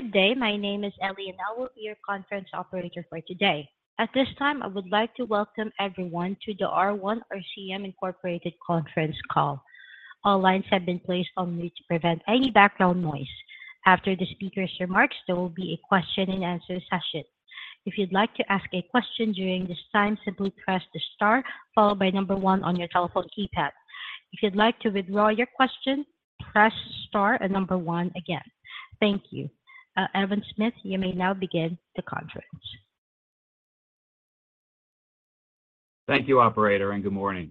Good day. My name is Ellie, and I will be your conference operator for today. At this time, I would like to welcome everyone to the R1 RCM Incorporated conference call. All lines have been placed on mute to prevent any background noise. After the speaker's remarks, there will be a question and answer session. If you'd like to ask a question during this time, simply press the star followed by number one on your telephone keypad. If you'd like to withdraw your question, press star and number one again. Thank you. Evan Smith, you may now begin the conference. Thank you, operator, and good morning.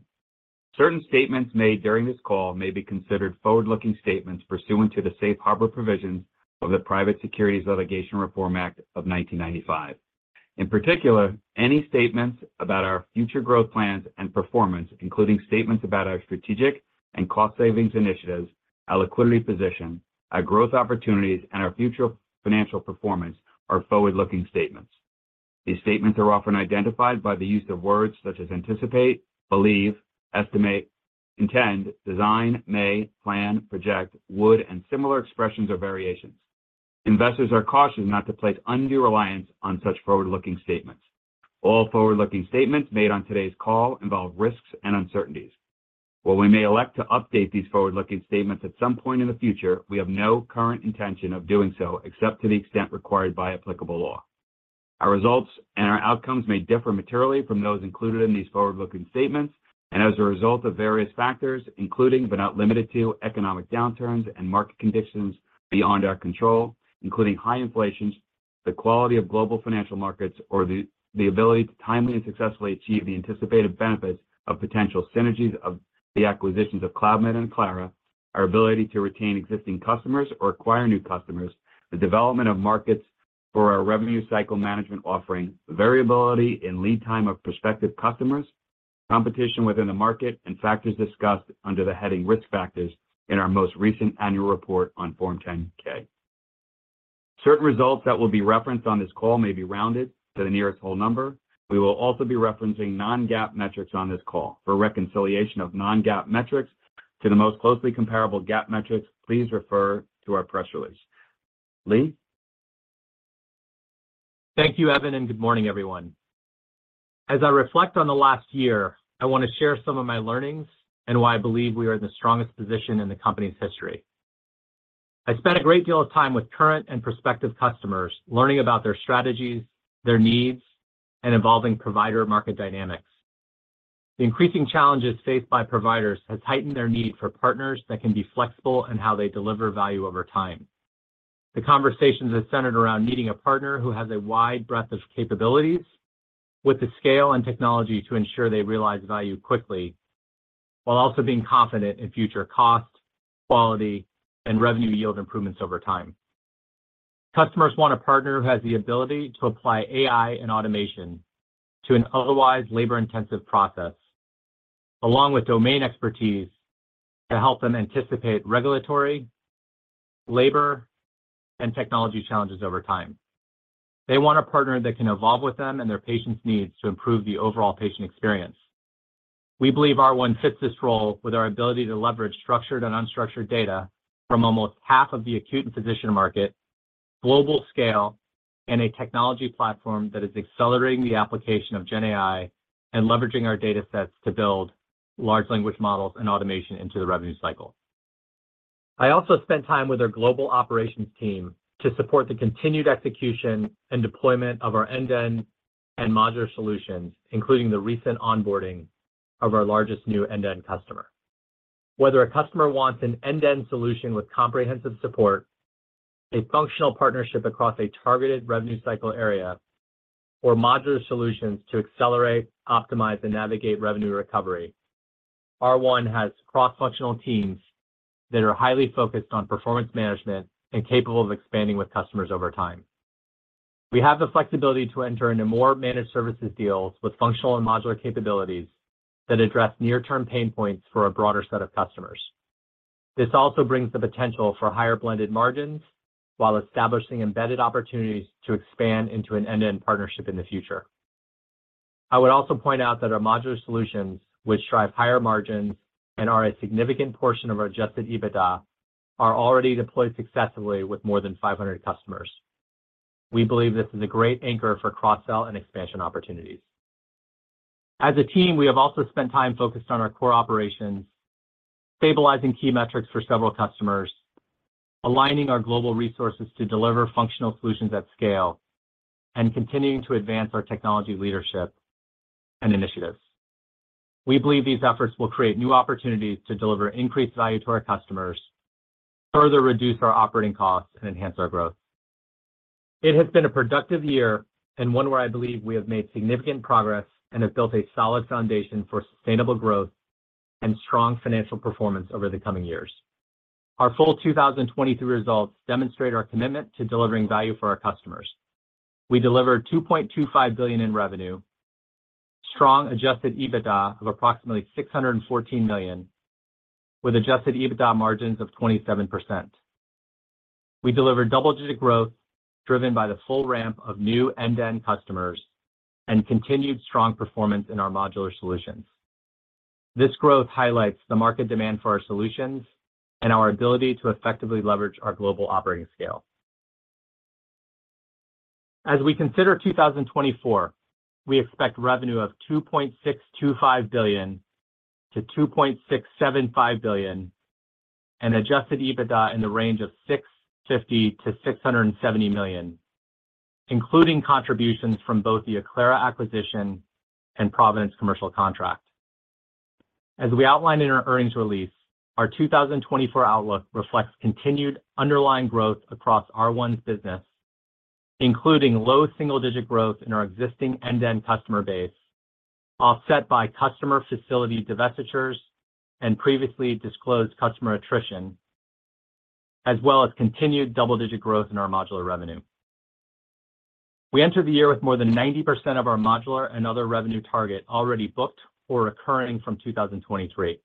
Certain statements made during this call may be considered forward-looking statements pursuant to the safe harbor provisions of the Private Securities Litigation Reform Act of 1995. In particular, any statements about our future growth plans and performance, including statements about our strategic and cost savings initiatives, our liquidity position, our growth opportunities, and our future financial performance are forward-looking statements. These statements are often identified by the use of words such as anticipate, believe, estimate, intend, design, may, plan, project, would, and similar expressions or variations. Investors are cautioned not to place undue reliance on such forward-looking statements. All forward-looking statements made on today's call involve risks and uncertainties. While we may elect to update these forward-looking statements at some point in the future, we have no current intention of doing so, except to the extent required by applicable law. Our results and our outcomes may differ materially from those included in these forward-looking statements and as a result of various factors, including, but not limited to, economic downturns and market conditions beyond our control, including high inflation, the quality of global financial markets, or the ability to timely and successfully achieve the anticipated benefits of potential synergies of the acquisitions of Cloudmed and Acclara, our ability to retain existing customers or acquire new customers, the development of markets for our revenue cycle management offering, variability in lead time of prospective customers, competition within the market, and factors discussed under the heading Risk Factors in our most recent annual report on Form 10-K. Certain results that will be referenced on this call may be rounded to the nearest whole number. We will also be referencing non-GAAP metrics on this call. For reconciliation of non-GAAP metrics to the most closely comparable GAAP metrics, please refer to our press release. Lee? Thank you, Evan, and good morning, everyone. As I reflect on the last year, I want to share some of my learnings and why I believe we are in the strongest position in the company's history. I spent a great deal of time with current and prospective customers learning about their strategies, their needs, and evolving provider market dynamics. The increasing challenges faced by providers has heightened their need for partners that can be flexible in how they deliver value over time. The conversations have centered around needing a partner who has a wide breadth of capabilities, with the scale and technology to ensure they realize value quickly, while also being confident in future costs, quality, and revenue yield improvements over time. Customers want a partner who has the ability to apply AI and automation to an otherwise labor-intensive process, along with domain expertise to help them anticipate regulatory, labor, and technology challenges over time. They want a partner that can evolve with them and their patients' needs to improve the overall patient experience. We believe R1 fits this role with our ability to leverage structured and unstructured data from almost half of the acute and physician market, global scale, and a technology platform that is accelerating the application of GenAI and leveraging our datasets to build large language models and automation into the revenue cycle. I also spent time with our global operations team to support the continued execution and deployment of our end-to-end and modular solutions, including the recent onboarding of our largest new end-to-end customer. Whether a customer wants an end-to-end solution with comprehensive support, a functional partnership across a targeted revenue cycle area, or modular solutions to accelerate, optimize, and navigate revenue recovery, R1 has cross-functional teams that are highly focused on performance management and capable of expanding with customers over time. We have the flexibility to enter into more managed services deals with functional and modular capabilities that address near-term pain points for a broader set of customers. This also brings the potential for higher blended margins while establishing embedded opportunities to expand into an end-to-end partnership in the future. I would also point out that our modular solutions, which drive higher margins and are a significant portion of our Adjusted EBITDA, are already deployed successfully with more than 500 customers. We believe this is a great anchor for cross-sell and expansion opportunities. As a team, we have also spent time focused on our core operations, stabilizing key metrics for several customers, aligning our global resources to deliver functional solutions at scale, and continuing to advance our technology leadership and initiatives. We believe these efforts will create new opportunities to deliver increased value to our customers, further reduce our operating costs, and enhance our growth. It has been a productive year and one where I believe we have made significant progress and have built a solid foundation for sustainable growth and strong financial performance over the coming years. Our full 2022 results demonstrate our commitment to delivering value for our customers. We delivered $2.25 billion in revenue, strong Adjusted EBITDA of approximately $614 million, with Adjusted EBITDA margins of 27%. We delivered double-digit growth, driven by the full ramp of new end-to-end customers and continued strong performance in our modular solutions. This growth highlights the market demand for our solutions and our ability to effectively leverage our global operating scale. As we consider 2024, we expect revenue of $2.625 billion-$2.675 billion, and Adjusted EBITDA in the range of $650 million-$670 million, including contributions from both the Acclara acquisition and Providence commercial contract. As we outlined in our earnings release, our 2024 outlook reflects continued underlying growth across R1's business, including low single-digit growth in our existing end-to-end customer base, offset by customer facility divestitures and previously disclosed customer attrition, as well as continued double-digit growth in our modular revenue. We entered the year with more than 90% of our modular and other revenue target already booked or recurring from 2023.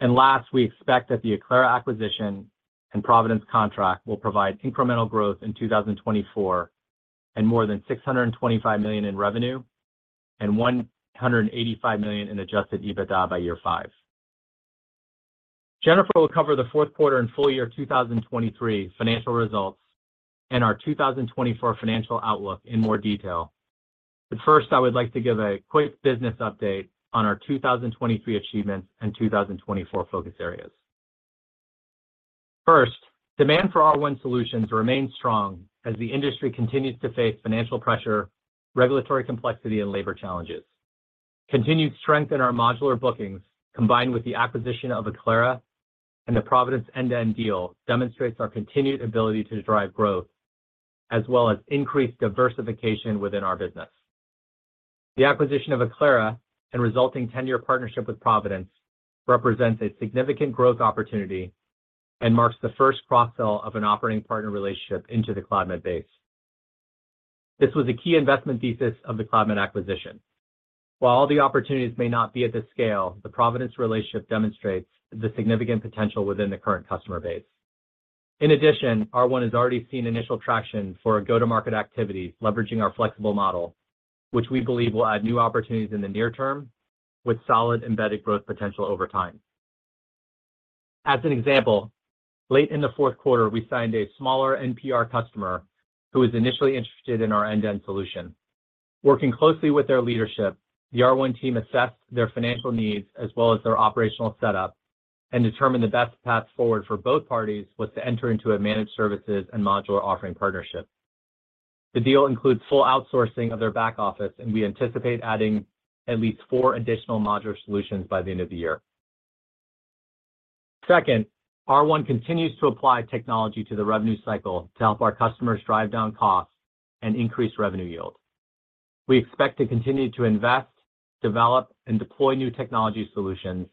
And last, we expect that the Acclara acquisition and Providence contract will provide incremental growth in 2024, and more than $625 million in revenue and $185 million in Adjusted EBITDA by year five. Jennifer will cover the fourth quarter and full year 2023 financial results and our 2024 financial outlook in more detail. But first, I would like to give a quick business update on our 2023 achievements and 2024 focus areas. First, demand for R1 solutions remains strong as the industry continues to face financial pressure, regulatory complexity, and labor challenges. Continued strength in our modular bookings, combined with the acquisition of Acclara and the Providence end-to-end deal, demonstrates our continued ability to drive growth, as well as increased diversification within our business. The acquisition of Acclara and resulting ten-year partnership with Providence represents a significant growth opportunity and marks the first cross-sell of an operating partner relationship into the Cloudmed base. This was a key investment thesis of the Cloudmed acquisition. While all the opportunities may not be at this scale, the Providence relationship demonstrates the significant potential within the current customer base. In addition, R1 has already seen initial traction for a go-to-market activity, leveraging our flexible model, which we believe will add new opportunities in the near term with solid embedded growth potential over time. As an example, late in the fourth quarter, we signed a smaller NPR customer who was initially interested in our end-to-end solution. Working closely with their leadership, the R1 team assessed their financial needs as well as their operational setup and determined the best path forward for both parties was to enter into a managed services and modular offering partnership. The deal includes full outsourcing of their back office, and we anticipate adding at least four additional modular solutions by the end of the year. Second, R1 continues to apply technology to the revenue cycle to help our customers drive down costs and increase revenue yield. We expect to continue to invest, develop, and deploy new technology solutions,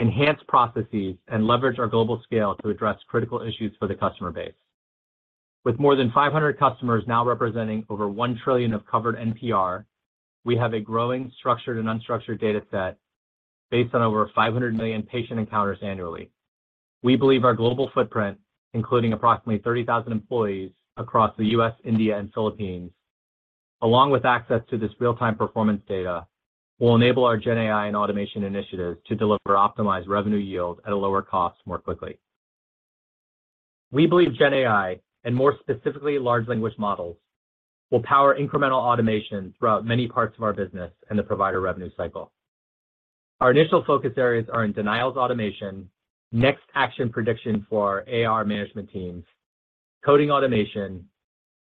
enhance processes, and leverage our global scale to address critical issues for the customer base. With more than 500 customers now representing over 1 trillion of covered NPR, we have a growing, structured, and unstructured data set based on over 500 million patient encounters annually. We believe our global footprint, including approximately 30,000 employees across the U.S., India, and Philippines, along with access to this real-time performance data, will enable our GenAI and automation initiatives to deliver optimized revenue yield at a lower cost more quickly. We believe GenAI, and more specifically, large language models, will power incremental automation throughout many parts of our business and the provider revenue cycle. Our initial focus areas are in denials automation, next action prediction for AR management teams, coding automation,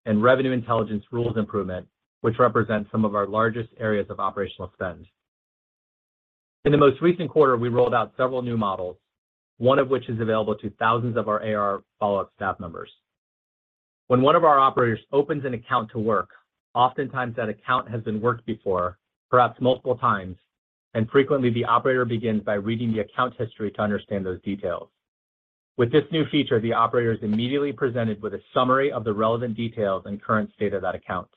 and revenue intelligence rules improvement, which represents some of our largest areas of operational spend. In the most recent quarter, we rolled out several new models, one of which is available to thousands of our AR follow-up staff members. When one of our operators opens an account to work, oftentimes that account has been worked before, perhaps multiple times, and frequently the operator begins by reading the account history to understand those details. With this new feature, the operator is immediately presented with a summary of the relevant details and current state of that account.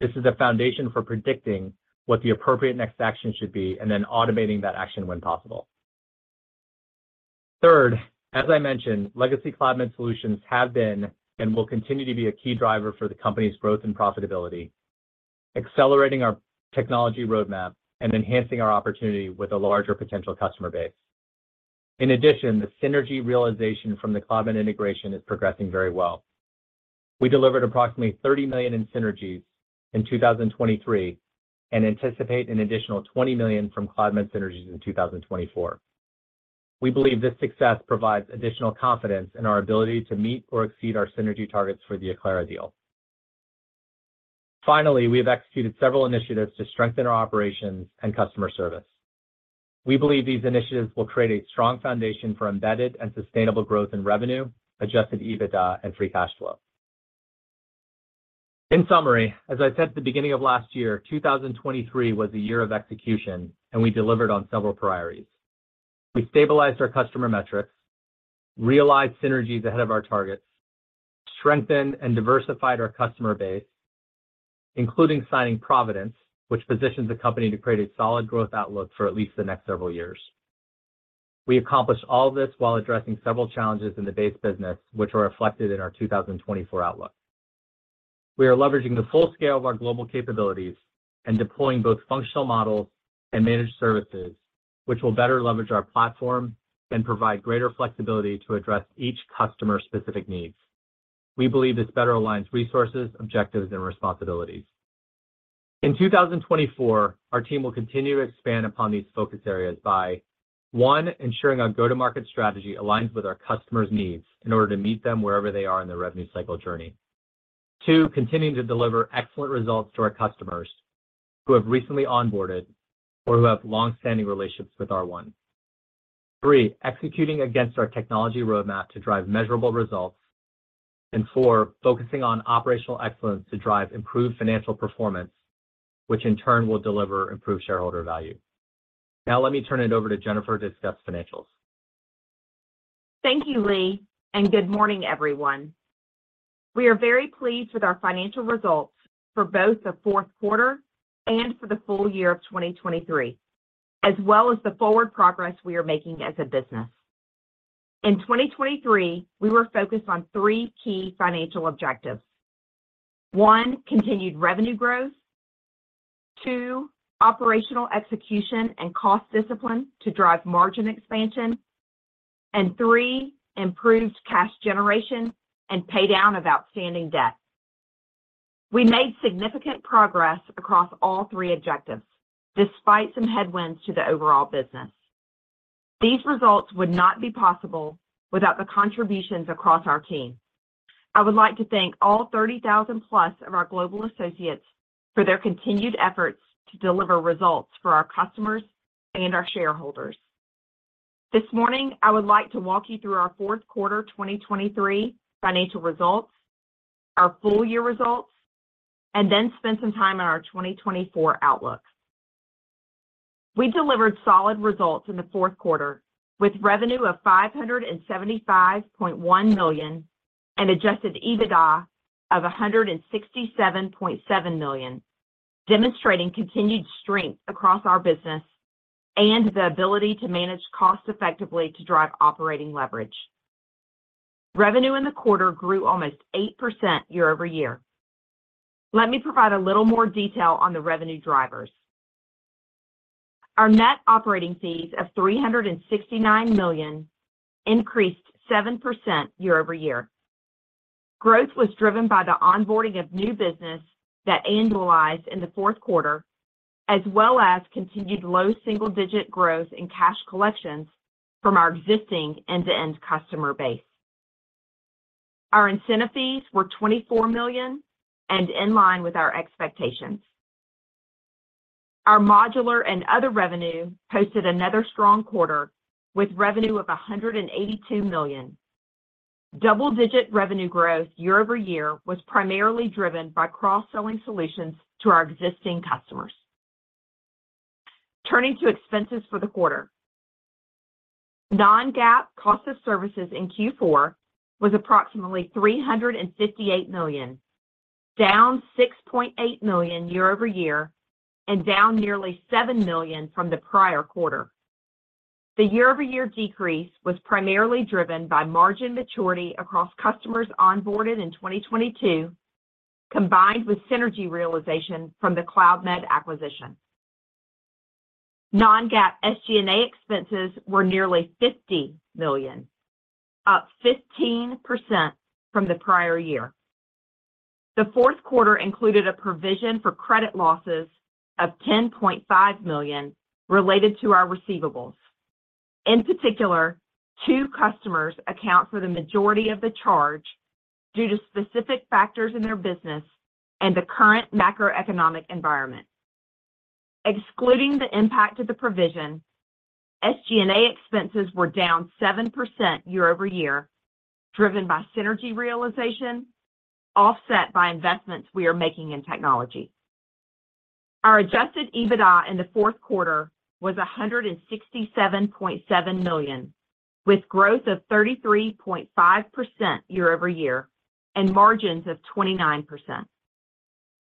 This is a foundation for predicting what the appropriate next action should be, and then automating that action when possible. Third, as I mentioned, legacy Cloudmed solutions have been and will continue to be a key driver for the company's growth and profitability, accelerating our technology roadmap and enhancing our opportunity with a larger potential customer base. In addition, the synergy realization from the Cloudmed integration is progressing very well. We delivered approximately $30 million in synergies in 2023, and anticipate an additional $20 million from Cloudmed synergies in 2024. We believe this success provides additional confidence in our ability to meet or exceed our synergy targets for the Acclara deal. Finally, we have executed several initiatives to strengthen our operations and customer service. We believe these initiatives will create a strong foundation for embedded and sustainable growth in revenue, Adjusted EBITDA and free cash flow. In summary, as I said at the beginning of last year, 2023 was a year of execution, and we delivered on several priorities. We stabilized our customer metrics, realized synergies ahead of our targets, strengthened and diversified our customer base, including signing Providence, which positions the company to create a solid growth outlook for at least the next several years. We accomplished all this while addressing several challenges in the base business, which are reflected in our 2024 outlook. We are leveraging the full scale of our global capabilities and deploying both functional models and managed services, which will better leverage our platform and provide greater flexibility to address each customer's specific needs. We believe this better aligns resources, objectives, and responsibilities. In 2024, our team will continue to expand upon these focus areas by, one, ensuring our go-to-market strategy aligns with our customers' needs in order to meet them wherever they are in their revenue cycle journey. two, continuing to deliver excellent results to our customers who have recently onboarded or who have long-standing relationships with R1. three, executing against our technology roadmap to drive measurable results. And four, focusing on operational excellence to drive improved financial performance, which in turn will deliver improved shareholder value. Now, let me turn it over to Jennifer to discuss financials. Thank you, Lee, and good morning, everyone. We are very pleased with our financial results for both the fourth quarter and for the full year of 2023, as well as the forward progress we are making as a business. In 2023, we were focused on three key financial objectives: one, continued revenue growth. two, operational execution and cost discipline to drive margin expansion. And three, improved cash generation and pay down of outstanding debt. We made significant progress across all three objectives, despite some headwinds to the overall business. These results would not be possible without the contributions across our team. I would like to thank all 30,000+ of our global associates for their continued efforts to deliver results for our customers and our shareholders. This morning, I would like to walk you through our fourth quarter 2023 financial results, our full year results, and then spend some time on our 2024 outlook. We delivered solid results in the fourth quarter, with revenue of $575.1 million and Adjusted EBITDA of $167.7 million, demonstrating continued strength across our business and the ability to manage costs effectively to drive operating leverage. Revenue in the quarter grew almost 8% year-over-year. Let me provide a little more detail on the revenue drivers. Our net operating fees of $369 million increased 7% year-over-year. Growth was driven by the onboarding of new business that annualized in the fourth quarter, as well as continued low single-digit growth in cash collections from our existing end-to-end customer base. Our incentive fees were $24 million and in line with our expectations. Our modular and other revenue posted another strong quarter, with revenue of $182 million. Double-digit revenue growth year-over-year was primarily driven by cross-selling solutions to our existing customers. Turning to expenses for the quarter. Non-GAAP cost of services in Q4 was approximately $358 million, down $6.8 million year-over-year, and down nearly $7 million from the prior quarter. The year-over-year decrease was primarily driven by margin maturity across customers onboarded in 2022, combined with synergy realization from the Cloudmed acquisition. Non-GAAP SG&A expenses were nearly $50 million, up 15% from the prior year. The fourth quarter included a provision for credit losses of $10.5 million related to our receivables. In particular, two customers account for the majority of the charge due to specific factors in their business and the current macroeconomic environment. Excluding the impact of the provision, SG&A expenses were down 7% year-over-year, driven by synergy realization, offset by investments we are making in technology. Our Adjusted EBITDA in the fourth quarter was $167.7 million, with growth of 33.5% year-over-year and margins of 29%.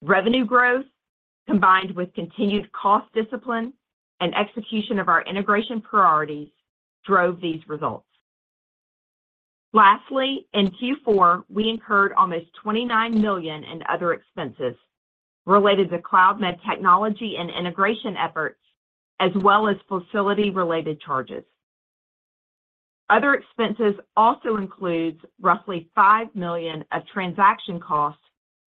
Revenue growth, combined with continued cost discipline and execution of our integration priorities, drove these results. Lastly, in Q4, we incurred almost $29 million in other expenses related to Cloudmed technology and integration efforts, as well as facility-related charges. Other expenses also includes roughly $5 million of transaction costs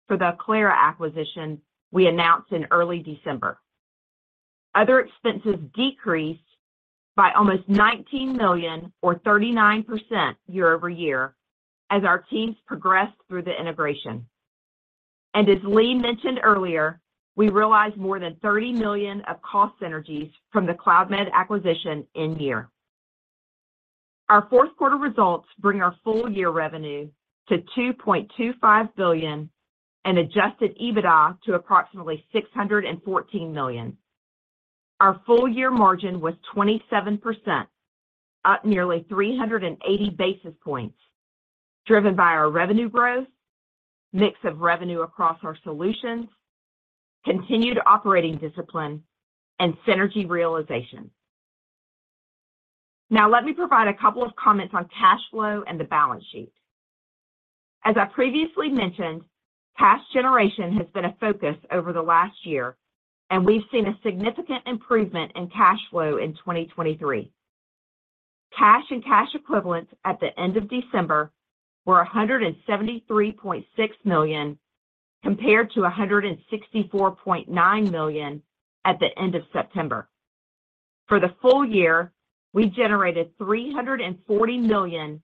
for the Acclara acquisition we announced in early December. Other expenses decreased by almost $19 million or 39% year-over-year as our teams progressed through the integration. And as Lee mentioned earlier, we realized more than $30 million of cost synergies from the Cloudmed acquisition in-year. Our fourth quarter results bring our full year revenue to $2.25 billion and Adjusted EBITDA to approximately $614 million. Our full year margin was 27%, up nearly 380 basis points, driven by our revenue growth, mix of revenue across our solutions, continued operating discipline, and synergy realization. Now, let me provide a couple of comments on cash flow and the balance sheet. As I previously mentioned, cash generation has been a focus over the last year, and we've seen a significant improvement in cash flow in 2023. Cash and cash equivalents at the end of December were $173.6 million, compared to $164.9 million at the end of September. For the full year, we generated $340 million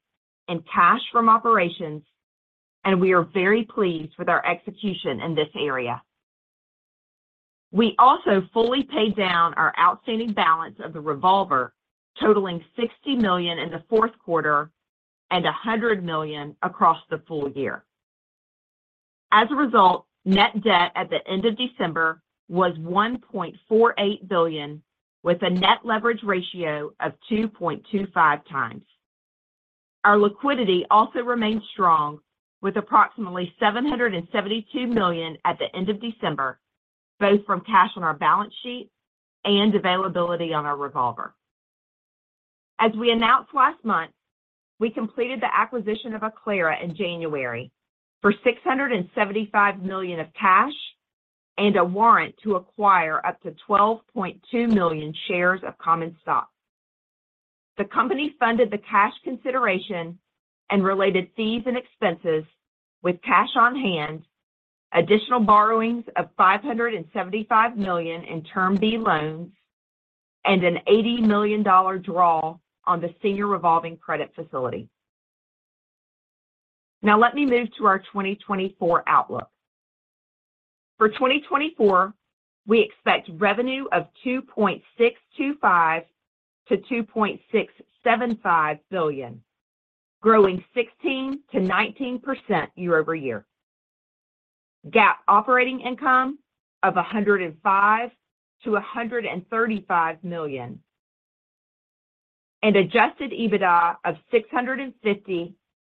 in cash from operations, and we are very pleased with our execution in this area. We also fully paid down our outstanding balance of the revolver, totaling $60 million in the fourth quarter and $100 million across the full year. As a result, net debt at the end of December was $1.48 billion, with a net leverage ratio of 2.25 times. Our liquidity also remains strong, with approximately $772 million at the end of December, both from cash on our balance sheet and availability on our revolver. As we announced last month, we completed the acquisition of Acclara in January for $675 million of cash and a warrant to acquire up to 12.2 million shares of common stock. The company funded the cash consideration and related fees and expenses with cash on hand, additional borrowings of $575 million in Term B loans, and an $80 million draw on the senior revolving credit facility. Now let me move to our 2024 outlook. For 2024, we expect revenue of $2.625 billion-$2.675 billion, growing 16%-19% year-over-year. GAAP operating income of $105 million-$135 million, and Adjusted EBITDA of $650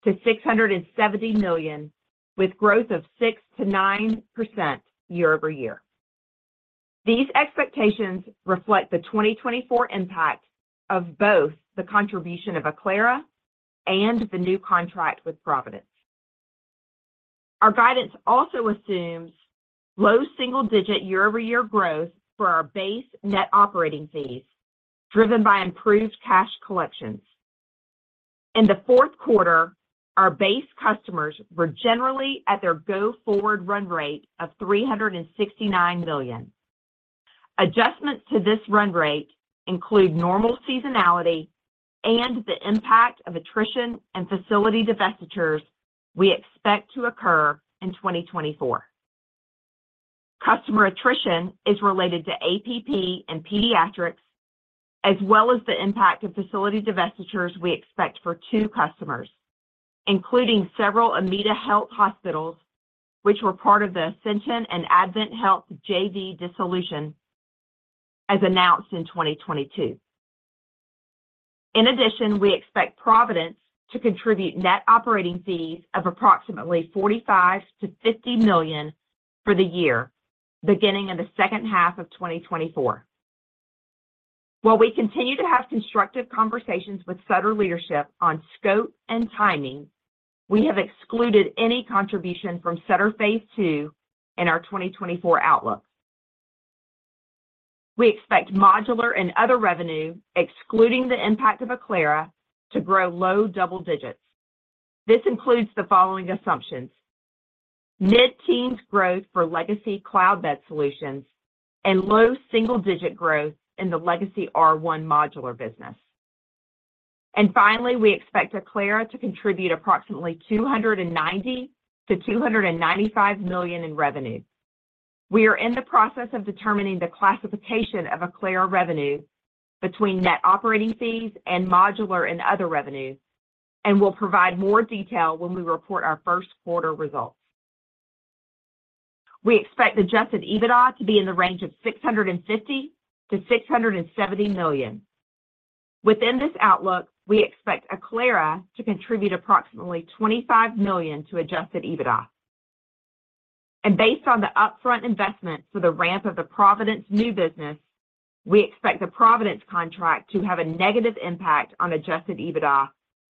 million-$670 million, with growth of 6%-9% year-over-year. These expectations reflect the 2024 impact of both the contribution of Acclara and the new contract with Providence. Our guidance also assumes low single-digit year-over-year growth for our base net operating fees, driven by improved cash collections. In the fourth quarter, our base customers were generally at their go-forward run rate of $369 million. Adjustments to this run rate include normal seasonality and the impact of attrition and facility divestitures we expect to occur in 2024. Customer attrition is related to APP and Pediatrix, as well as the impact of facility divestitures we expect for two customers, including several AMITA Health hospitals, which were part of the Ascension and AdventHealth JV dissolution, as announced in 2022. In addition, we expect Providence to contribute net operating fees of approximately $45 million-$50 million for the year, beginning in the second half of 2024. While we continue to have constructive conversations with Sutter leadership on scope and timing, we have excluded any contribution from Sutter Phase II in our 2024 outlook. We expect modular and other revenue, excluding the impact of Acclara, to grow low double digits. This includes the following assumptions: mid-teens growth for legacy Cloudmed solutions and low single-digit growth in the legacy R1 modular business. And finally, we expect Acclara to contribute approximately $290 million-$295 million in revenue. We are in the process of determining the classification of Acclara revenue between net operating fees and modular and other revenues, and we'll provide more detail when we report our first quarter results. We expect Adjusted EBITDA to be in the range of $650 million-$670 million. Within this outlook, we expect Acclara to contribute approximately $25 million to Adjusted EBITDA. Based on the upfront investment for the ramp of the Providence new business, we expect the Providence contract to have a negative impact on Adjusted EBITDA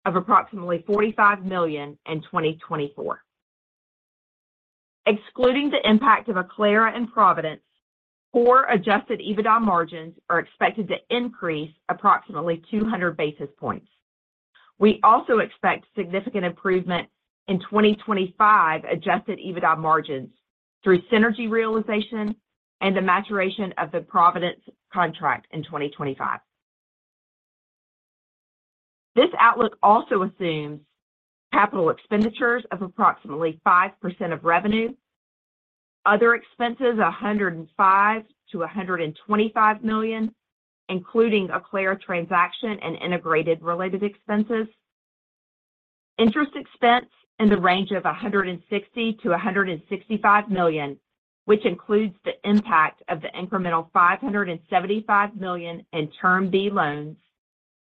of approximately $45 million in 2024. Excluding the impact of Acclara and Providence, core Adjusted EBITDA margins are expected to increase approximately 200 basis points. We also expect significant improvement in 2025 Adjusted EBITDA margins through synergy realization and the maturation of the Providence contract in 2025. This outlook also assumes capital expenditures of approximately 5% of revenue. Other expenses, $105 million-$125 million, including Acclara transaction and integration-related expenses. Interest expense in the range of $160 million-$165 million, which includes the impact of the incremental $575 million in Term B loans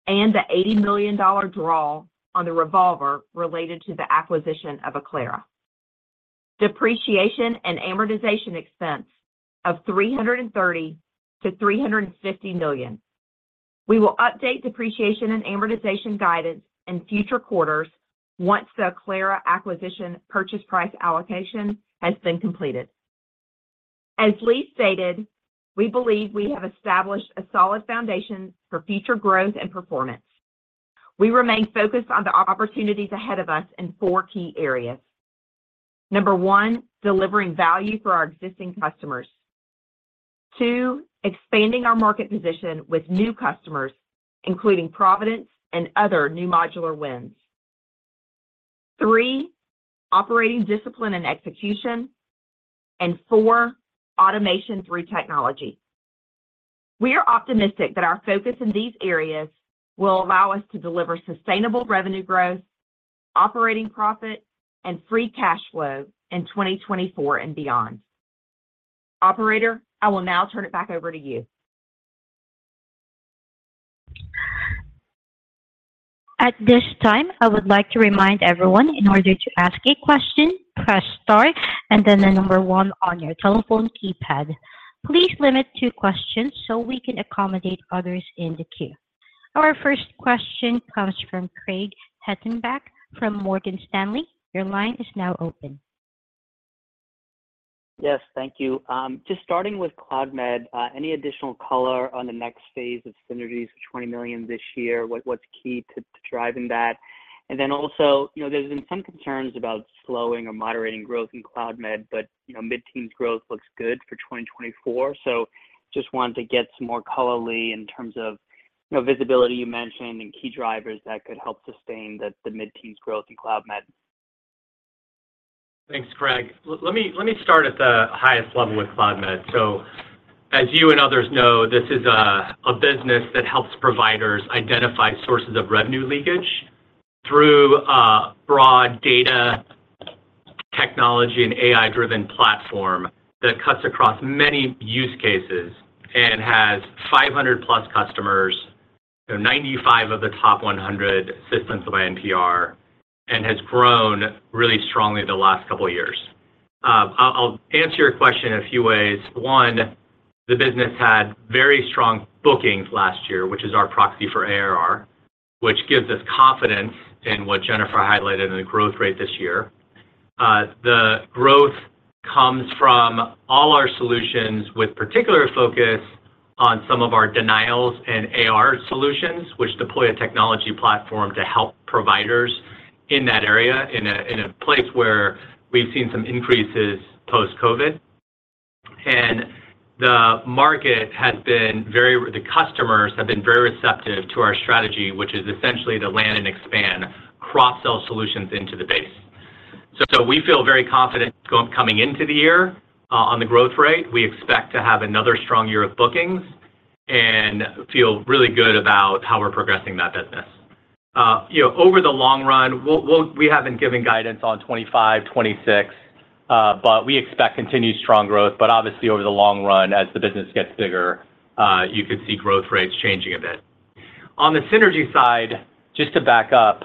and the $80 million draw on the revolver related to the acquisition of Acclara, depreciation and amortization expense of $330 million-$350 million. We will update depreciation and amortization guidance in future quarters once the Acclara acquisition purchase price allocation has been completed. As Lee stated, we believe we have established a solid foundation for future growth and performance. We remain focused on the opportunities ahead of us in four key areas. Number one, delivering value for our existing customers. Two, expanding our market position with new customers, including Providence and other new modular wins. Three, operating discipline and execution. And four, automation through technology. We are optimistic that our focus in these areas will allow us to deliver sustainable revenue growth, operating profit, and free cash flow in 2024 and beyond. Operator, I will now turn it back over to you. At this time, I would like to remind everyone, in order to ask a question, press star and then the number 1 on your telephone keypad. Please limit to questions so we can accommodate others in the queue. Our first question comes from Craig Hettenbach from Morgan Stanley. Your line is now open. Yes, thank you. Just starting with Cloudmed, any additional color on the next phase of synergies of $20 million this year? What's key to driving that? And then also, you know, there's been some concerns about slowing or moderating growth in Cloudmed, but, you know, mid-teen growth looks good for 2024. So just wanted to get some more color in terms of, you know, visibility you mentioned, and key drivers that could help sustain the mid-teens growth in Cloudmed. Thanks, Craig. Let me start at the highest level with Cloudmed. So as you and others know, this is a business that helps providers identify sources of revenue leakage through broad data technology and AI-driven platform that cuts across many use cases and has 500+ customers, so 95 of the top 100 systems by NPR, and has grown really strongly the last couple of years. I'll answer your question in a few ways. One, the business had very strong bookings last year, which is our proxy for ARR, which gives us confidence in what Jennifer highlighted in the growth rate this year. The growth comes from all our solutions, with particular focus on some of our denials and AR solutions, which deploy a technology platform to help providers in that area, in a place where we've seen some increases post-COVID. And the market has been very, the customers have been very receptive to our strategy, which is essentially to land and expand cross-sell solutions into the base. So we feel very confident coming into the year on the growth rate. We expect to have another strong year of bookings and feel really good about how we're progressing that business. You know, over the long run, we'll we haven't given guidance on 2025, 2026, but we expect continued strong growth. But obviously, over the long run, as the business gets bigger, you could see growth rates changing a bit. On the synergy side, just to back up,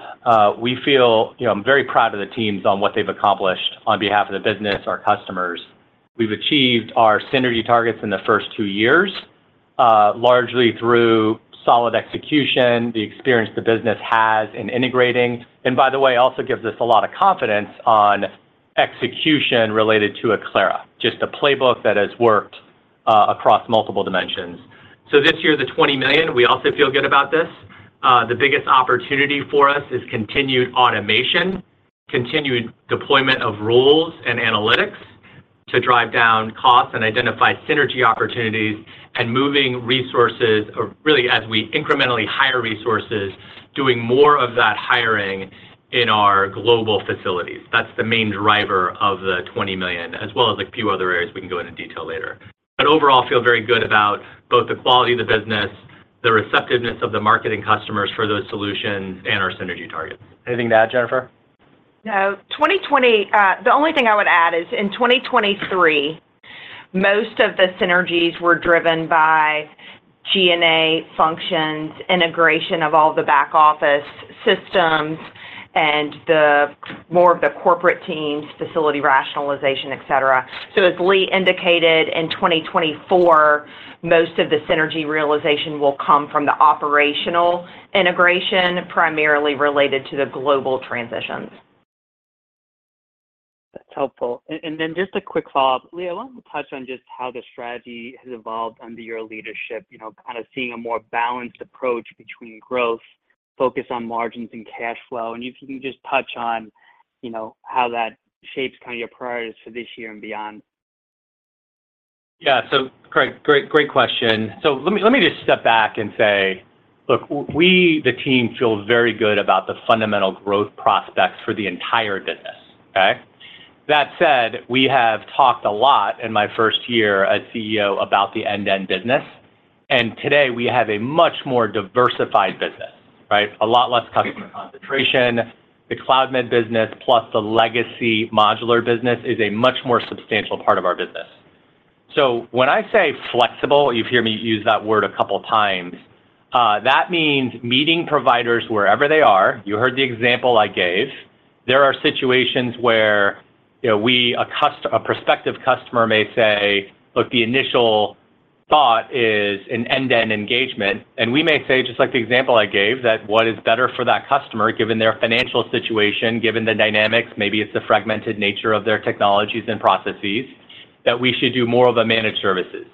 we feel, you know, I'm very proud of the teams on what they've accomplished on behalf of the business, our customers. We've achieved our synergy targets in the first two years, largely through solid execution, the experience the business has in integrating. And by the way, also gives us a lot of confidence on execution related to Acclara, just a playbook that has worked, across multiple dimensions. So this year, the $20 million, we also feel good about this. The biggest opportunity for us is continued automation, continued deployment of rules and analytics to drive down costs and identify synergy opportunities, and moving resources, or really, as we incrementally hire resources, doing more of that hiring in our global facilities. That's the main driver of the $20 million, as well as a few other areas we can go into detail later. But overall, feel very good about both the quality of the business, the receptiveness of the marketing customers for those solutions, and our synergy targets. Anything to add, Jennifer? No. 2020, the only thing I would add is, in 2023, most of the synergies were driven by SG&A functions, integration of all the back office systems, and the merger of the corporate teams, facility rationalization, etc. So as Lee indicated, in 2024, most of the synergy realization will come from the operational integration, primarily related to the global transitions. That's helpful. And then just a quick follow-up. Lee, I wanted to touch on just how the strategy has evolved under your leadership. You know, kind of seeing a more balanced approach between growth, focus on margins and cash flow, and if you can just touch on, you know, how that shapes kind of your priorities for this year and beyond. Yeah. So, Craig, great, great question. So let me, let me just step back and say, look, we, the team, feels very good about the fundamental growth prospects for the entire business, okay? That said, we have talked a lot in my first year as CEO about the end-to-end business, and today we have a much more diversified business, right? A lot less customer concentration. The Cloudmed business plus the legacy modular business is a much more substantial part of our business.... So when I say flexible, you've heard me use that word a couple of times, that means meeting providers wherever they are. You heard the example I gave. There are situations where, you know, we, a prospective customer may say, look, the initial thought is an end-to-end engagement, and we may say, just like the example I gave, that what is better for that customer, given their financial situation, given the dynamics, maybe it's the fragmented nature of their technologies and processes, that we should do more of a managed services.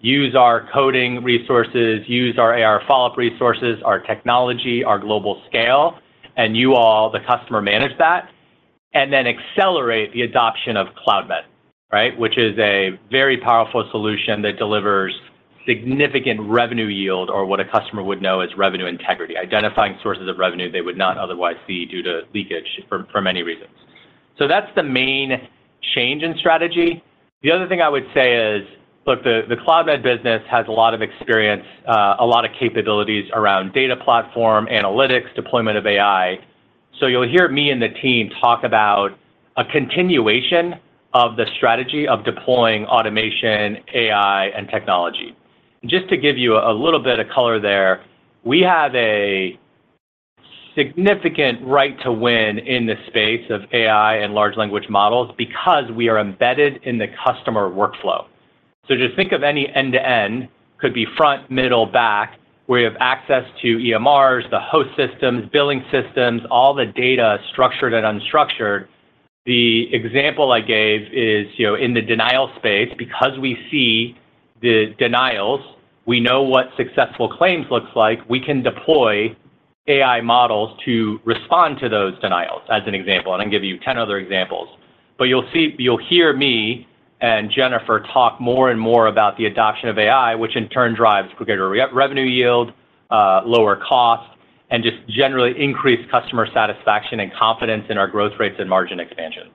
Use our coding resources, use our AR follow-up resources, our technology, our global scale, and you all, the customer, manage that, and then accelerate the adoption of Cloudmed, right? Which is a very powerful solution that delivers significant revenue yield or what a customer would know as revenue integrity, identifying sources of revenue they would not otherwise see due to leakage for many reasons. So that's the main change in strategy. The other thing I would say is, look, the Cloudmed business has a lot of experience, a lot of capabilities around data platform, analytics, deployment of AI. So you'll hear me and the team talk about a continuation of the strategy of deploying automation, AI, and technology. Just to give you a little bit of color there, we have a significant right to win in the space of AI and large language models because we are embedded in the customer workflow. So just think of any end-to-end, could be front, middle, back, where you have access to EMRs, the host systems, billing systems, all the data, structured and unstructured. The example I gave is, you know, in the denial space, because we see the denials, we know what successful claims looks like, we can deploy AI models to respond to those denials, as an example, and I can give you 10 other examples. But you'll see, you'll hear me and Jennifer talk more and more about the adoption of AI, which in turn drives quicker revenue yield, lower cost, and just generally increased customer satisfaction and confidence in our growth rates and margin expansion.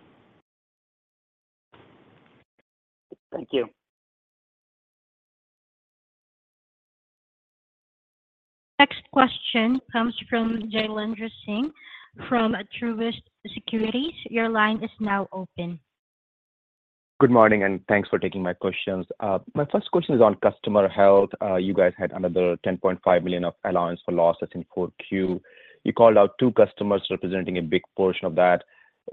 Thank you. Next question comes from Jailendra Singh from Truist Securities. Your line is now open. Good morning, and thanks for taking my questions. My first question is on customer health. You guys had another $10.5 million of allowance for losses in 4Q. You called out two customers representing a big portion of that.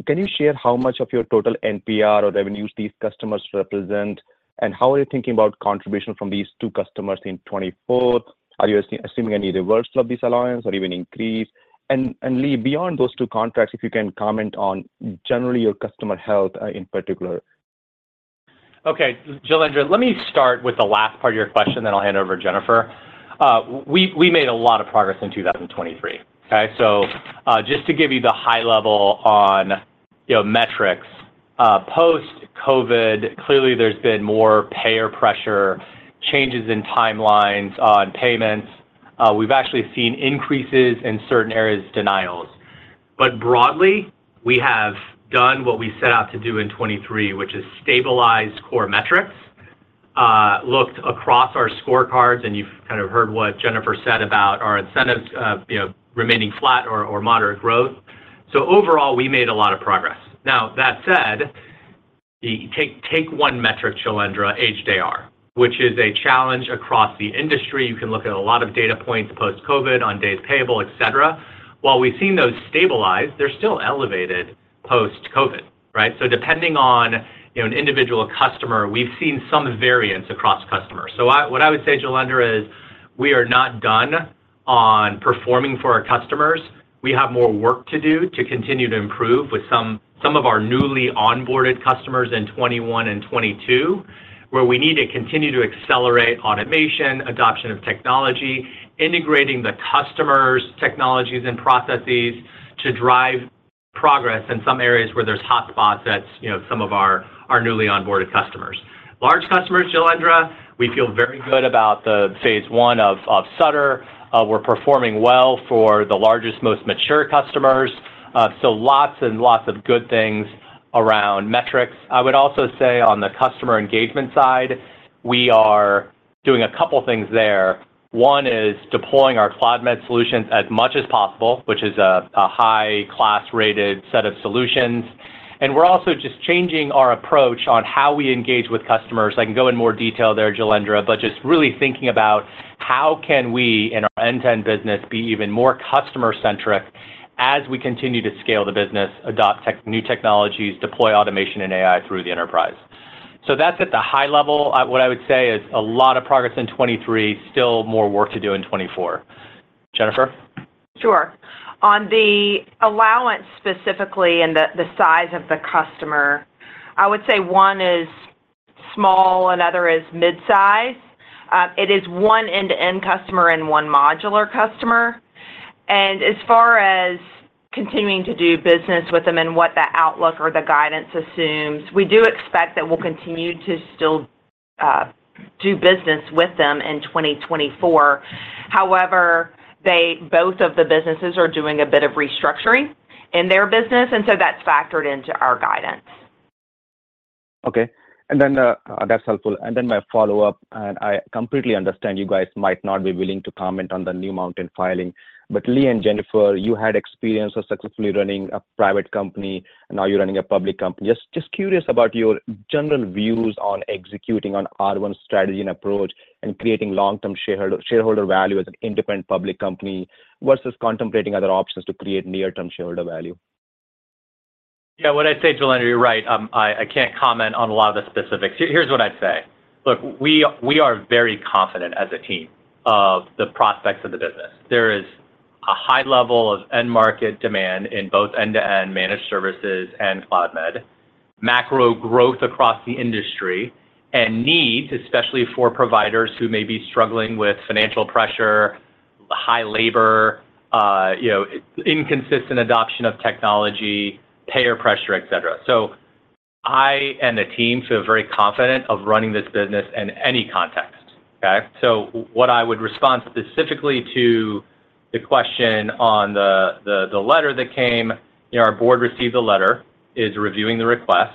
Can you share how much of your total NPR or revenues these customers represent, and how are you thinking about contribution from these two customers in 2024? Are you assuming any reversal of this allowance or even increase? And Lee, beyond those two contracts, if you can comment on generally your customer health, in particular. Okay, Jailendra, let me start with the last part of your question, then I'll hand over to Jennifer. We made a lot of progress in 2023, okay? So, just to give you the high level on, you know, metrics, post-COVID, clearly there's been more payer pressure, changes in timelines on payments. We've actually seen increases in certain areas, denials. But broadly, we have done what we set out to do in 2023, which is stabilize core metrics, looked across our scorecards, and you've kind of heard what Jennifer said about our incentives, you know, remaining flat or moderate growth. So overall, we made a lot of progress. Now, that said, take one metric, Jailendra, ADR, which is a challenge across the industry. You can look at a lot of data points post-COVID on days payable, etc. While we've seen those stabilize, they're still elevated post-COVID, right? So depending on, you know, an individual customer, we've seen some variance across customers. So what I would say, Jailendra, is we are not done on performing for our customers. We have more work to do to continue to improve with some of our newly onboarded customers in 2021 and 2022, where we need to continue to accelerate automation, adoption of technology, integrating the customers' technologies and processes to drive progress in some areas where there's hot spots at, you know, some of our newly onboarded customers. Large customers, Jailendra, we feel very good about the Phase I of Sutter. We're performing well for the largest, most mature customers. So lots and lots of good things around metrics. I would also say on the customer engagement side, we are doing a couple of things there. One is deploying our Cloudmed solutions as much as possible, which is a high class rated set of solutions. And we're also just changing our approach on how we engage with customers. I can go in more detail there, Jailendra, but just really thinking about how can we in our end-to-end business be even more customer-centric as we continue to scale the business, adopt tech, new technologies, deploy automation and AI through the enterprise. So that's at the high level. What I would say is a lot of progress in 2023, still more work to do in 2024. Jennifer? Sure. On the allowance, specifically, and the size of the customer, I would say one is small, another is mid-size. It is one end-to-end customer and one modular customer. And as far as continuing to do business with them and what that outlook or the guidance assumes, we do expect that we'll continue to still do business with them in 2024. However, they both of the businesses are doing a bit of restructuring in their business, and so that's factored into our guidance. Okay, and then, that's helpful. Then my follow-up, and I completely understand you guys might not be willing to comment on the New Mountain filing. But Lee and Jennifer, you had experience of successfully running a private company, and now you're running a public company. Just, just curious about your general views on executing on R1 strategy and approach and creating long-term shareholder, shareholder value as an independent public company versus contemplating other options to create near-term shareholder value. Yeah, what I'd say, Jailen, you're right, I can't comment on a lot of the specifics. Here's what I'd say: Look, we are very confident as a team of the prospects of the business. There is a high level of end-market demand in both end-to-end managed services and Cloudmed, macro growth across the industry, and needs, especially for providers who may be struggling with financial pressure, high labor, you know, inconsistent adoption of technology, payer pressure, etc. So I and the team feel very confident of running this business in any context, okay? So what I would respond specifically to the question on the letter that came, you know, our board received the letter, is reviewing the request.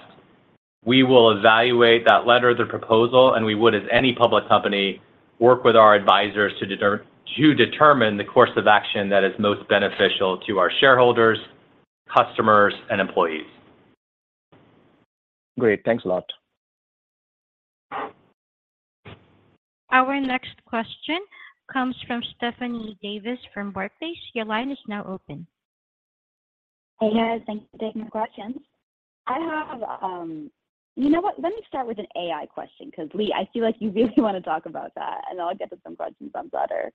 We will evaluate that letter, the proposal, and we would, as any public company, work with our advisors to determine the course of action that is most beneficial to our shareholders, customers, and employees. Great. Thanks a lot. Our next question comes from Stephanie Davis from Barclays. Your line is now open. Hey, guys, thanks for taking my questions. I have. You know what? Let me start with an AI question, 'cause Lee, I feel like you really wanna talk about that, and then I'll get to some questions on Sutter.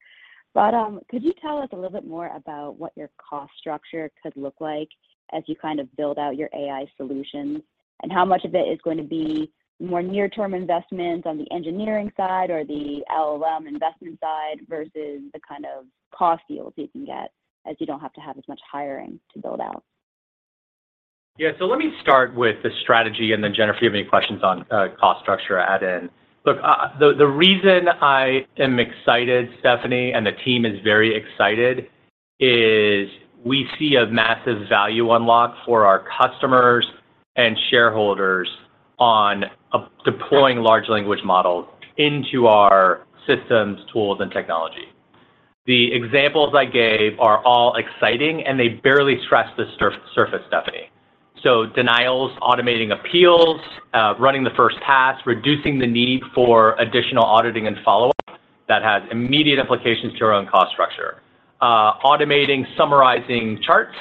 But, could you tell us a little bit more about what your cost structure could look like as you kind of build out your AI solutions? And how much of it is going to be more near-term investments on the engineering side or the LLM investment side versus the kind of cost deals you can get as you don't have to have as much hiring to build out? Yeah, so let me start with the strategy, and then Jennifer, if you have any questions on cost structure, add in. Look, the reason I am excited, Stephanie, and the team is very excited, is we see a massive value unlock for our customers and shareholders on deploying large language models into our systems, tools, and technology. The examples I gave are all exciting, and they barely scratch the surface, Stephanie. So denials, automating appeals, running the first pass, reducing the need for additional auditing and follow-up, that has immediate implications to our own cost structure. Automating, summarizing charts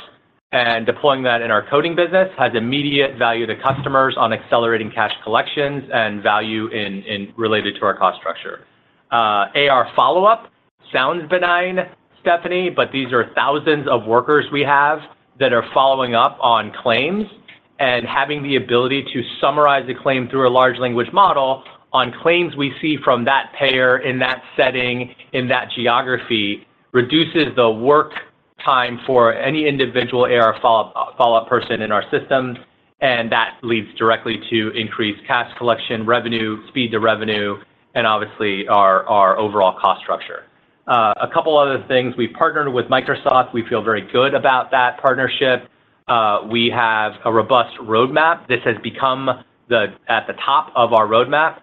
and deploying that in our coding business has immediate value to customers on accelerating cash collections and value in related to our cost structure. AR follow-up sounds benign, Stephanie, but these are thousands of workers we have that are following up on claims. And having the ability to summarize the claim through a large language model on claims we see from that payer in that setting, in that geography, reduces the work time for any individual AR follow-up, follow-up person in our systems, and that leads directly to increased cash collection, revenue, speed to revenue, and obviously our overall cost structure. A couple other things. We've partnered with Microsoft. We feel very good about that partnership. We have a robust roadmap. This has become at the top of our roadmap,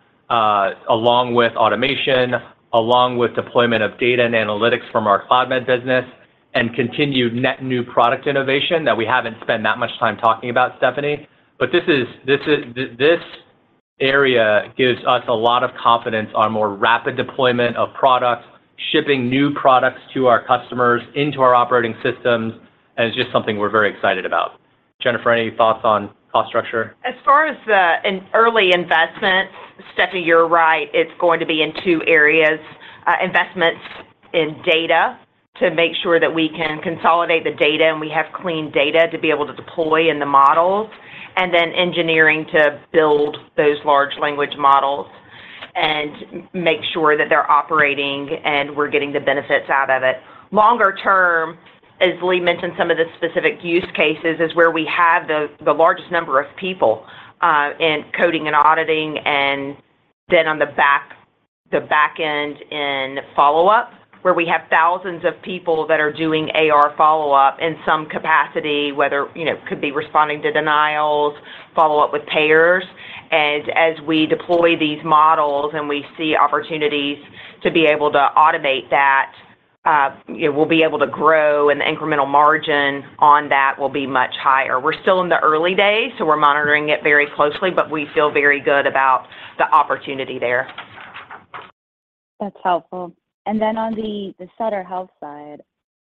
along with automation, along with deployment of data and analytics from our Cloudmed business, and continued net new product innovation that we haven't spent that much time talking about, Stephanie. But this area gives us a lot of confidence on more rapid deployment of products, shipping new products to our customers, into our operating systems, and it's just something we're very excited about. Jennifer, any thoughts on cost structure? As far as in early investments, Stephanie, you're right, it's going to be in two areas: investments in data to make sure that we can consolidate the data, and we have clean data to be able to deploy in the models, and then engineering to build those large language models and make sure that they're operating, and we're getting the benefits out of it. Longer term, as Lee mentioned, some of the specific use cases is where we have the largest number of people in coding and auditing, and then on the back, the back end in follow-up, where we have thousands of people that are doing AR follow-up in some capacity, whether, you know, could be responding to denials, follow up with payers. As we deploy these models and we see opportunities to be able to automate that, we'll be able to grow, and the incremental margin on that will be much higher. We're still in the early days, so we're monitoring it very closely, but we feel very good about the opportunity there. That's helpful. And then on the Sutter Health side,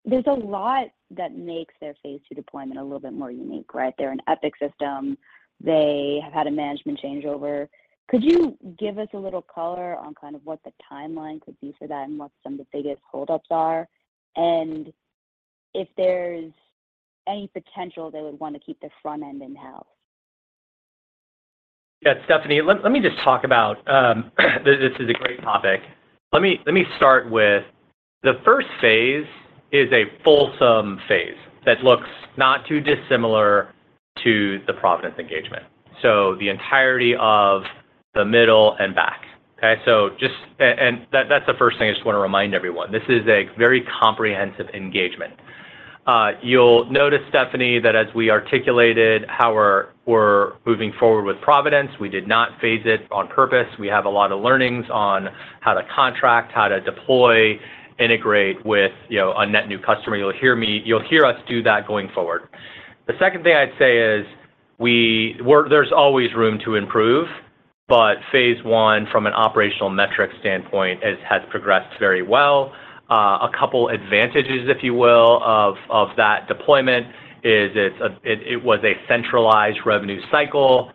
there's a lot that makes their Phase II deployment a little bit more unique, right? They're an Epic system. They have had a management changeover. Could you give us a little color on kind of what the timeline could be for that and what some of the biggest hold-ups are? And if there's any potential they would want to keep the front end in-house. Yeah, Stephanie, let me just talk about this. This is a great topic. Let me start with the first phase is a fulsome phase that looks not too dissimilar to the Providence engagement. So the entirety of the middle, and back. Okay? So just and that, that's the first thing I just wanna remind everyone. This is a very comprehensive engagement. You'll notice, Stephanie, that as we articulated how we're moving forward with Providence, we did not phase it on purpose. We have a lot of learnings on how to contract, how to deploy, integrate with, you know, a net new customer. You'll hear us do that going forward. The second thing I'd say is, well, there's always room to improve, but Phase I from an operational metric standpoint has progressed very well. A couple advantages, if you will, of that deployment is that it was a centralized revenue cycle,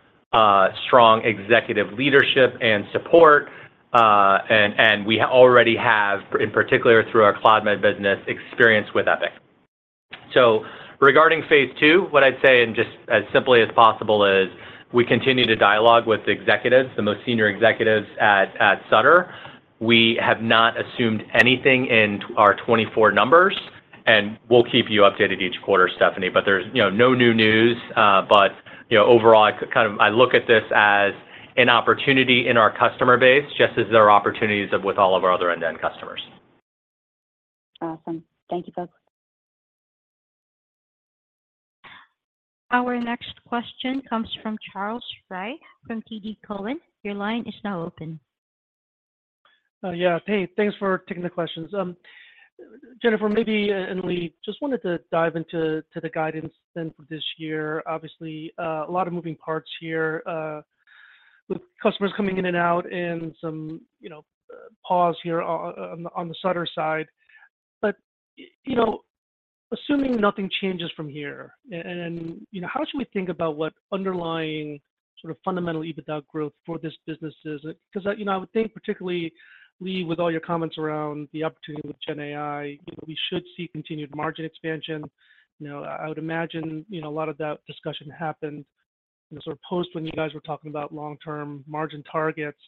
strong executive leadership and support, and we already have, in particular, through our Cloudmed business, experience with Epic. So regarding Phase II, what I'd say, and just as simply as possible, is we continue to dialogue with the executives, the most senior executives at Sutter. We have not assumed anything in our 2024 numbers, and we'll keep you updated each quarter, Stephanie, but there's, you know, no new news. But, you know, overall, I kind of look at this as an opportunity in our customer base, just as there are opportunities with all of our other end-to-end customers. Awesome. Thank you, folks. Our next question comes from Charles Rhyee from TD Cowen. Your line is now open. Yeah, hey, thanks for taking the questions. Jennifer, maybe, and Lee, just wanted to dive into the guidance then for this year. Obviously, a lot of moving parts here, with customers coming in and out and some, you know, pause here on the Sutter side. But you know, assuming nothing changes from here, and you know, how should we think about what underlying sort of fundamental EBITDA growth for this business is? 'Cause you know, I would think particularly, Lee, with all your comments around the opportunity with GenAI, you know, we should see continued margin expansion. You know, I would imagine, you know, a lot of that discussion happened in sort of post when you guys were talking about long-term margin targets.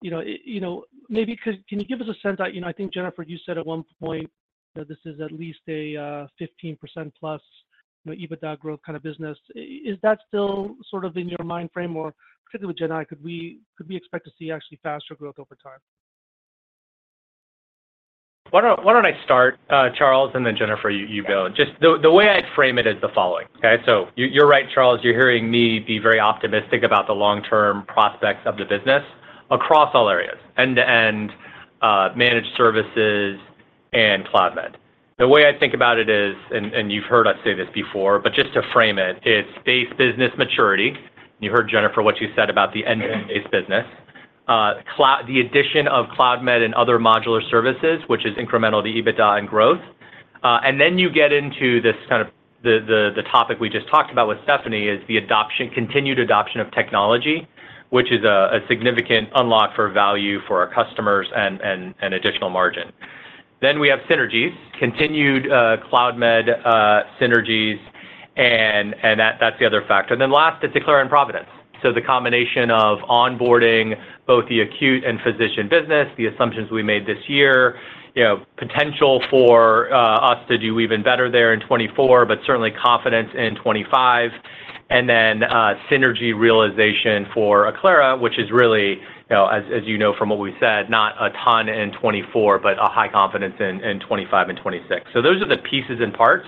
You know, you know, maybe can you give us a sense that... You know, I think, Jennifer, you said at one point that this is at least a 15%+, you know, EBITDA growth kind of business. Is that still sort of in your mind frame or, particularly with GenAI, could we expect to see actually faster growth over time? Why don't I start, Charles, and then, Jennifer, you go. Just the way I'd frame it is the following. Okay, so you're right, Charles, you're hearing me be very optimistic about the long-term prospects of the business across all areas, end-to-end, managed services and Cloudmed. The way I think about it is, and you've heard us say this before, but just to frame it, it's base business maturity. You heard Jennifer, what she said about the end-to-end base business. The addition of Cloudmed and other modular services, which is incremental to EBITDA and growth. And then you get into this kind of the topic we just talked about with Stephanie, is the continued adoption of technology, which is a significant unlock for value for our customers and additional margin. Then we have synergies, continued Cloudmed synergies, and that that's the other factor. And then last, it's Acclara and Providence. So the combination of onboarding both the acute and physician business, the assumptions we made this year, you know, potential for us to do even better there in 2024, but certainly confidence in 2025. And then synergy realization for Acclara, which is really, you know, as you know from what we've said, not a ton in 2024, but a high confidence in 2025 and 2026. So those are the pieces and parts.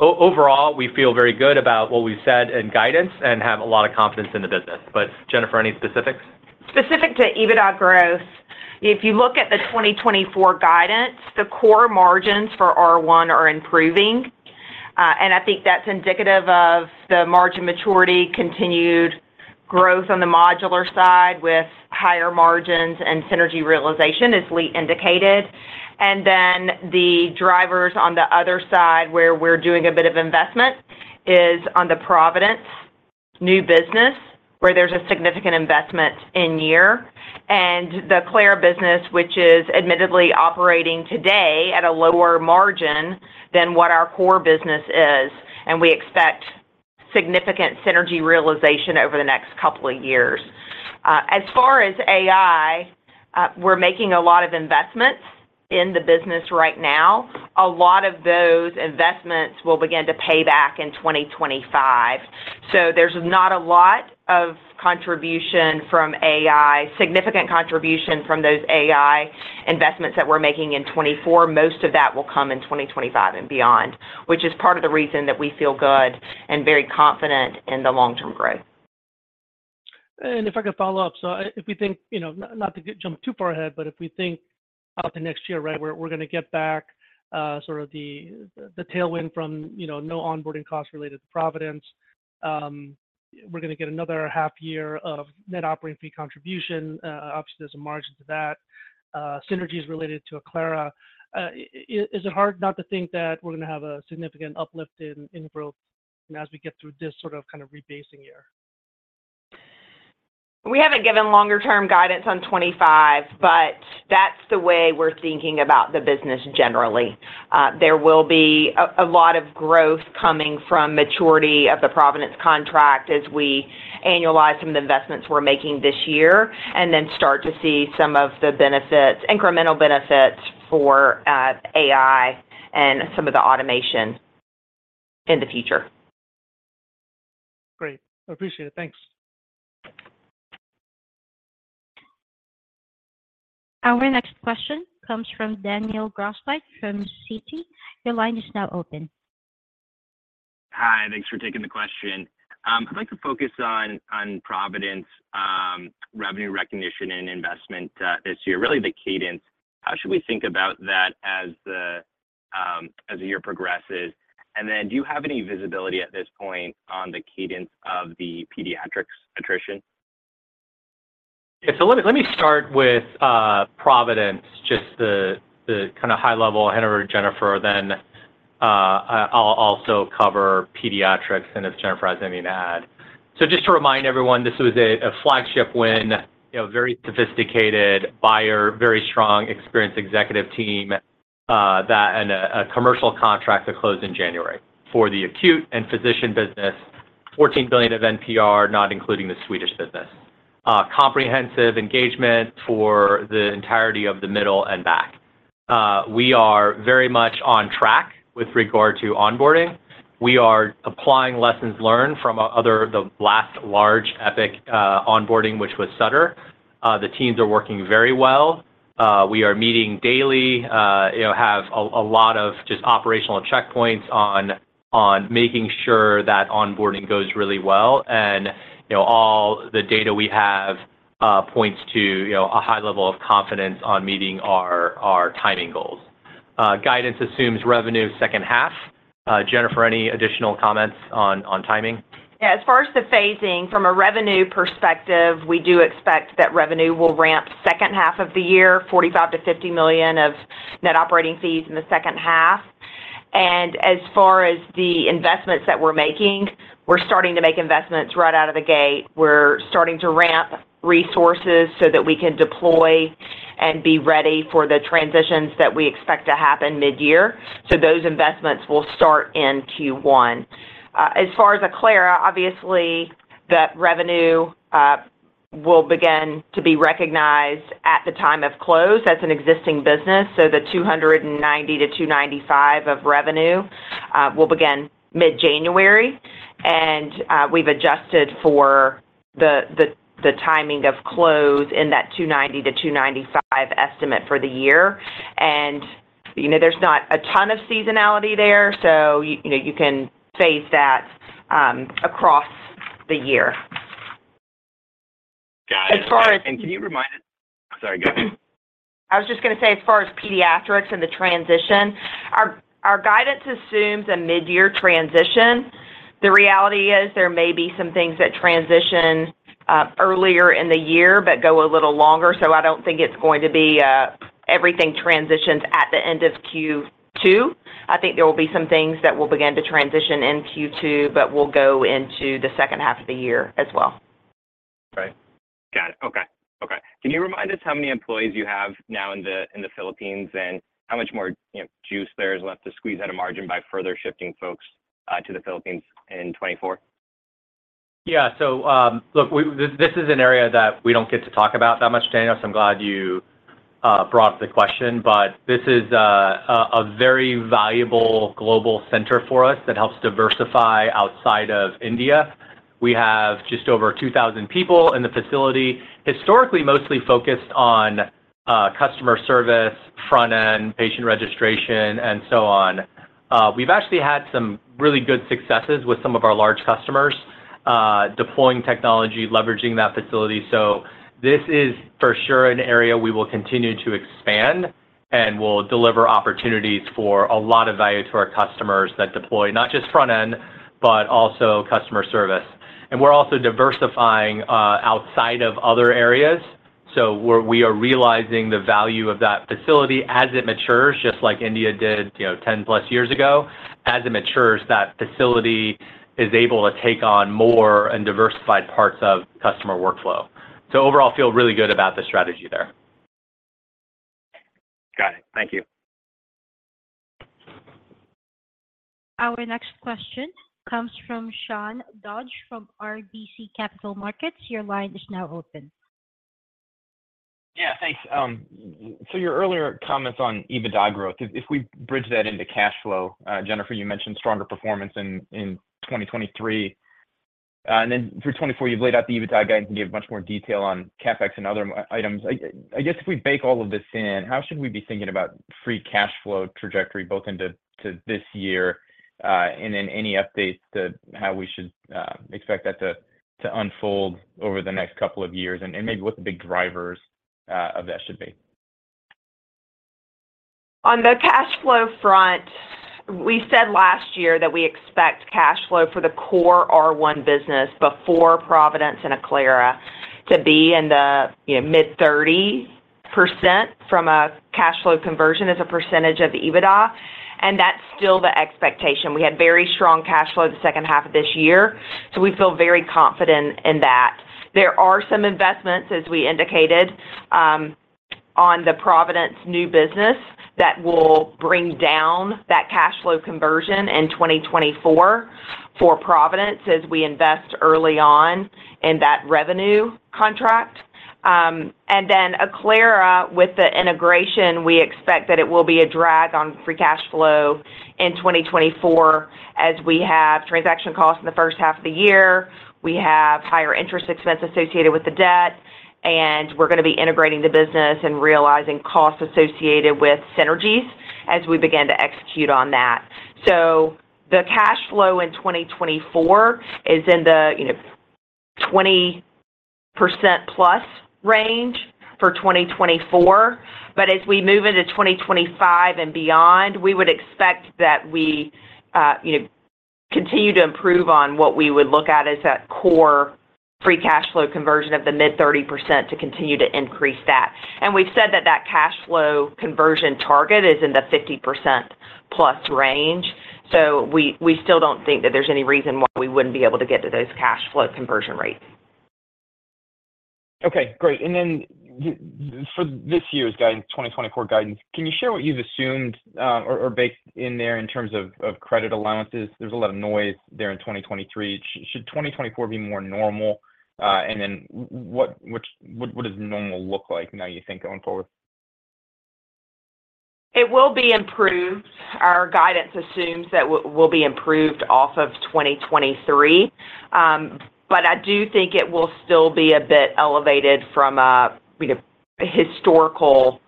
Overall, we feel very good about what we've said in guidance and have a lot of confidence in the business. But Jennifer, any specifics? Specific to EBITDA growth, if you look at the 2024 guidance, the core margins for R1 are improving. And I think that's indicative of the margin maturity, continued growth on the modular side with higher margins and synergy realization, as Lee indicated. And then the drivers on the other side, where we're doing a bit of investment, is on the Providence new business, where there's a significant investment in year, and the Acclara business, which is admittedly operating today at a lower margin than what our core business is, and we expect significant synergy realization over the next couple of years. As far as AI, we're making a lot of investments in the business right now. A lot of those investments will begin to pay back in 2025. There's not a lot of contribution from AI, significant contribution from those AI investments that we're making in 2024. Most of that will come in 2025 and beyond, which is part of the reason that we feel good and very confident in the long-term growth. If I could follow up. So if we think, you know, not to jump too far ahead, but if we think about the next year, right? We're gonna get back sort of the tailwind from, you know, no onboarding costs related to Providence. We're gonna get another half year of net operating fee contribution. Obviously, there's a margin to that. Synergies related to Acclara. Is it hard not to think that we're gonna have a significant uplift in growth as we get through this sort of kind of rebasing year? We haven't given longer-term guidance on 25, but that's the way we're thinking about the business generally. There will be a lot of growth coming from maturity of the Providence contract as we annualize some of the investments we're making this year, and then start to see some of the benefits, incremental benefits for AI and some of the automation... in the future. Great. Appreciate it. Thanks. Our next question comes from Daniel Grosslight from Citi. Your line is now open. Hi, thanks for taking the question. I'd like to focus on Providence, revenue recognition and investment, this year, really the cadence. How should we think about that as the year progresses? And then do you have any visibility at this point on the cadence of the Pediatrix attrition? Yeah. So let me, let me start with Providence, just the kind of high level, hand over to Jennifer, then I, I'll also cover Pediatrix, and if Jennifer has anything to add. So just to remind everyone, this was a, a flagship win, you know, very sophisticated buyer, very strong, experienced executive team, that and a, a commercial contract that closed in January for the acute and physician business. $14 billion of NPR, not including the Swedish business. Comprehensive engagement for the entirety of the middle and back. We are very much on track with regard to onboarding. We are applying lessons learned from other the last large Epic onboarding, which was Sutter. The teams are working very well. We are meeting daily, you know, have a, a lot of just operational checkpoints on, on making sure that onboarding goes really well. And, you know, all the data we have, points to, you know, a high level of confidence on meeting our, our timing goals. Guidance assumes revenue second half. Jennifer, any additional comments on, on timing? Yeah, as far as the phasing from a revenue perspective, we do expect that revenue will ramp second half of the year, $45-$50 million of net operating fees in the second half. And as far as the investments that we're making, we're starting to make investments right out of the gate. We're starting to ramp resources so that we can deploy and be ready for the transitions that we expect to happen mid-year. So those investments will start in Q1. As far as Acclara, obviously, the revenue will begin to be recognized at the time of close as an existing business, so the $290-$295 of revenue will begin mid-January, and, we've adjusted for the, the, the timing of close in that $290-$295 estimate for the year. You know, there's not a ton of seasonality there, so you know, you can phase that across the year. Got it. As far as- Can you remind us... Sorry, go ahead. I was just gonna say, as far as Pediatrix and the transition, our guidance assumes a mid-year transition. The reality is there may be some things that transition earlier in the year, but go a little longer, so I don't think it's going to be everything transitions at the end of Q2. I think there will be some things that will begin to transition in Q2, but will go into the second half of the year as well. Right. Got it. Okay. Okay. Can you remind us how many employees you have now in the Philippines, and how much more, you know, juice there is left to squeeze out of margin by further shifting folks to the Philippines in 2024? Yeah. So, look, this is an area that we don't get to talk about that much, Daniel, so I'm glad you brought up the question. But this is a very valuable global center for us that helps diversify outside of India. We have just over 2,000 people in the facility, historically, mostly focused on customer service, front end, patient registration, and so on. We've actually had some really good successes with some of our large customers deploying technology, leveraging that facility. So this is for sure an area we will continue to expand and will deliver opportunities for a lot of value to our customers that deploy, not just front end, but also customer service. And we're also diversifying outside of other areas. So we are realizing the value of that facility as it matures, just like India did, you know, 10+ years ago. As it matures, that facility is able to take on more and diversified parts of customer workflow. So overall, I feel really good about the strategy there. Got it. Thank you. Our next question comes from Sean Dodge, from RBC Capital Markets. Your line is now open. Yeah, thanks. So your earlier comments on EBITDA growth, if we bridge that into cash flow, Jennifer, you mentioned stronger performance in 2023. And then for 2024, you've laid out the EBITDA guide and gave much more detail on CapEx and other items. I guess if we bake all of this in, how should we be thinking about free cash flow trajectory, both into this year, and then any updates to how we should expect that to unfold over the next couple of years, and maybe what the big drivers of that should be? On the cash flow front, we said last year that we expect cash flow for the core R1 business before Providence and Acclara to be in the, you know, mid-30% from a cash flow conversion as a percentage of the EBITDA, and that's still the expectation. We had very strong cash flow the second half of this year, so we feel very confident in that. There are some investments, as we indicated, on the Providence new business, that will bring down that cash flow conversion in 2024 for Providence as we invest early on in that revenue contract. And then Acclara, with the integration, we expect that it will be a drag on free cash flow in 2024, as we have transaction costs in the first half of the year, we have higher interest expense associated with the debt, and we're going to be integrating the business and realizing costs associated with synergies as we begin to execute on that. So the cash flow in 2024 is in the, you know, 20%+ range for 2024. But as we move into 2025 and beyond, we would expect that we, you know, continue to improve on what we would look at as that core free cash flow conversion of the mid-30% to continue to increase that. And we've said that that cash flow conversion target is in the 50%+ range. So we still don't think that there's any reason why we wouldn't be able to get to those cash flow conversion rates. Okay, great. And then for this year's guidance, 2024 guidance, can you share what you've assumed, or baked in there in terms of credit allowances? There's a lot of noise there in 2023. Should 2024 be more normal? And then what does normal look like now you think going forward? It will be improved. Our guidance assumes that we'll be improved off of 2023. But I do think it will still be a bit elevated from a, you know, a historical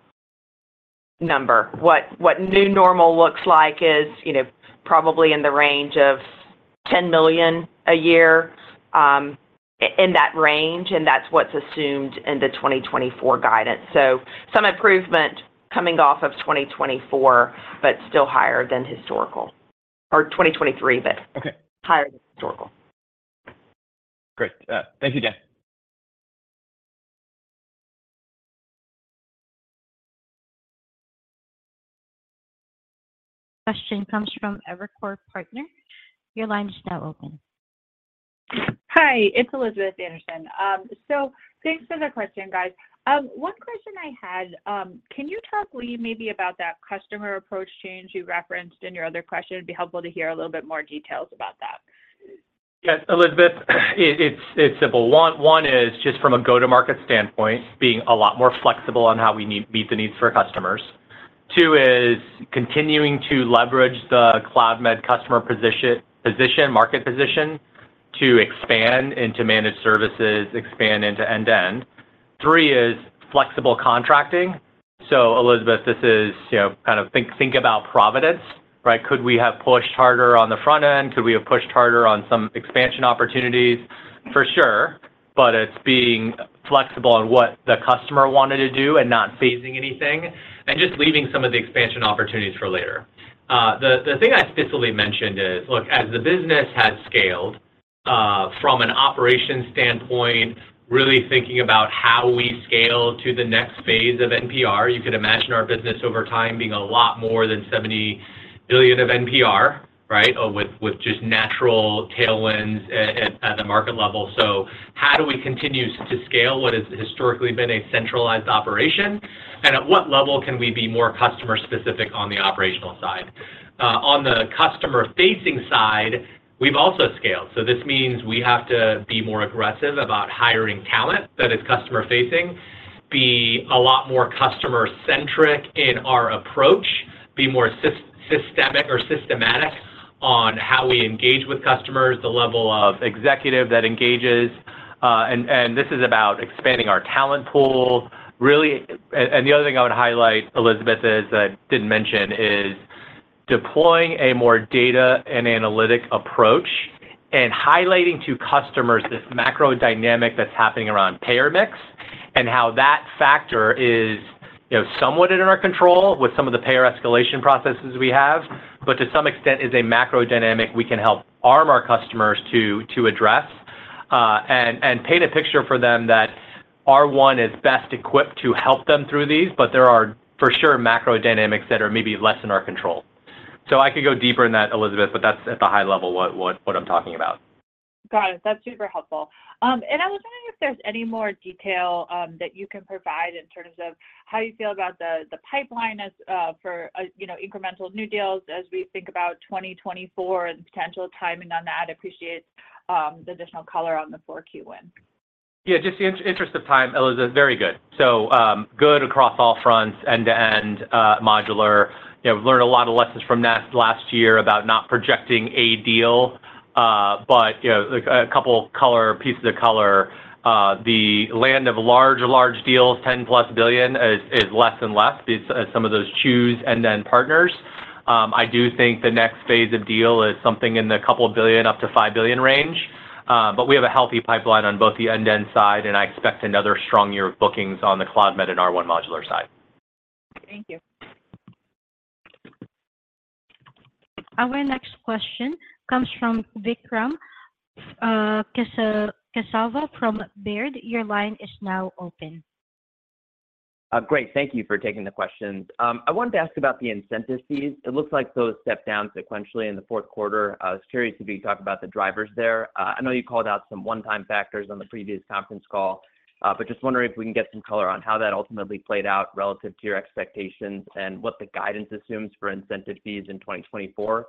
number. What new normal looks like is, you know, probably in the range of $10 million a year, in that range, and that's what's assumed in the 2024 guidance. So some improvement coming off of 2024, but still higher than historical or 2023, but- Okay. Higher than historical. Great. Thank you, Jen. Question comes from Evercore Partners. Your line is now open. Hi, it's Elizabeth Anderson. So thanks for the question, guys. One question I had, can you talk, Lee, maybe about that customer approach change you referenced in your other question? It'd be helpful to hear a little bit more details about that. Yes, Elizabeth, it's simple. One is just from a go-to-market standpoint, being a lot more flexible on how we need to meet the needs for our customers. Two is continuing to leverage the Cloudmed customer position, market position, to expand into managed services, expand into end-to-end. Three is flexible contracting. So Elizabeth, this is, you know, kind of think about Providence, right? Could we have pushed harder on the front end? Could we have pushed harder on some expansion opportunities? For sure, but it's being flexible on what the customer wanted to do and not phasing anything, and just leaving some of the expansion opportunities for later. The thing I fiscally mentioned is, look, as the business has scaled, from an operations standpoint, really thinking about how we scale to the next phase of NPR. You can imagine our business over time being a lot more than $70 billion of NPR, right, with just natural tailwinds at the market level. So how do we continue to scale what has historically been a centralized operation? And at what level can we be more customer specific on the operational side? On the customer-facing side, we've also scaled. So this means we have to be more aggressive about hiring talent that is customer-facing, be a lot more customer centric in our approach, be more systemic or systematic on how we engage with customers, the level of executive that engages, and this is about expanding our talent pool, really... And the other thing I would highlight, Elizabeth, is, I didn't mention, is deploying a more data and analytic approach and highlighting to customers this macro dynamic that's happening around payer mix, and how that factor is, you know, somewhat in our control with some of the payer escalation processes we have, but to some extent, is a macro dynamic we can help arm our customers to address. And paint a picture for them that R1 is best equipped to help them through these, but there are, for sure, macro dynamics that are maybe less in our control. So I could go deeper in that, Elizabeth, but that's at the high level, what I'm talking about. Got it. That's super helpful. I was wondering if there's any more detail that you can provide in terms of how you feel about the pipeline as for, you know, incremental new deals as we think about 2024 and the potential timing on that. I'd appreciate the additional color on the 4Q wins. Yeah, just in terms of time, Elizabeth, very good. So, good across all fronts, end-to-end, modular. You know, we've learned a lot of lessons from last year about not projecting a deal, but, you know, like a couple pieces of color, the landscape of large, large deals, $10 billion+, is less and less as some of those choose end-to-end partners. I do think the next phase of deal is something in the couple billion, up to $5 billion range, but we have a healthy pipeline on both the end-to-end side, and I expect another strong year of bookings on the Cloudmed and R1 Modular side. Thank you. Our next question comes from Vikram Kesavabhotla from Baird. Your line is now open. Great. Thank you for taking the questions. I wanted to ask about the incentive fees. It looks like those stepped down sequentially in the fourth quarter. I was curious if you could talk about the drivers there. I know you called out some one-time factors on the previous conference call, but just wondering if we can get some color on how that ultimately played out relative to your expectations and what the guidance assumes for incentive fees in 2024?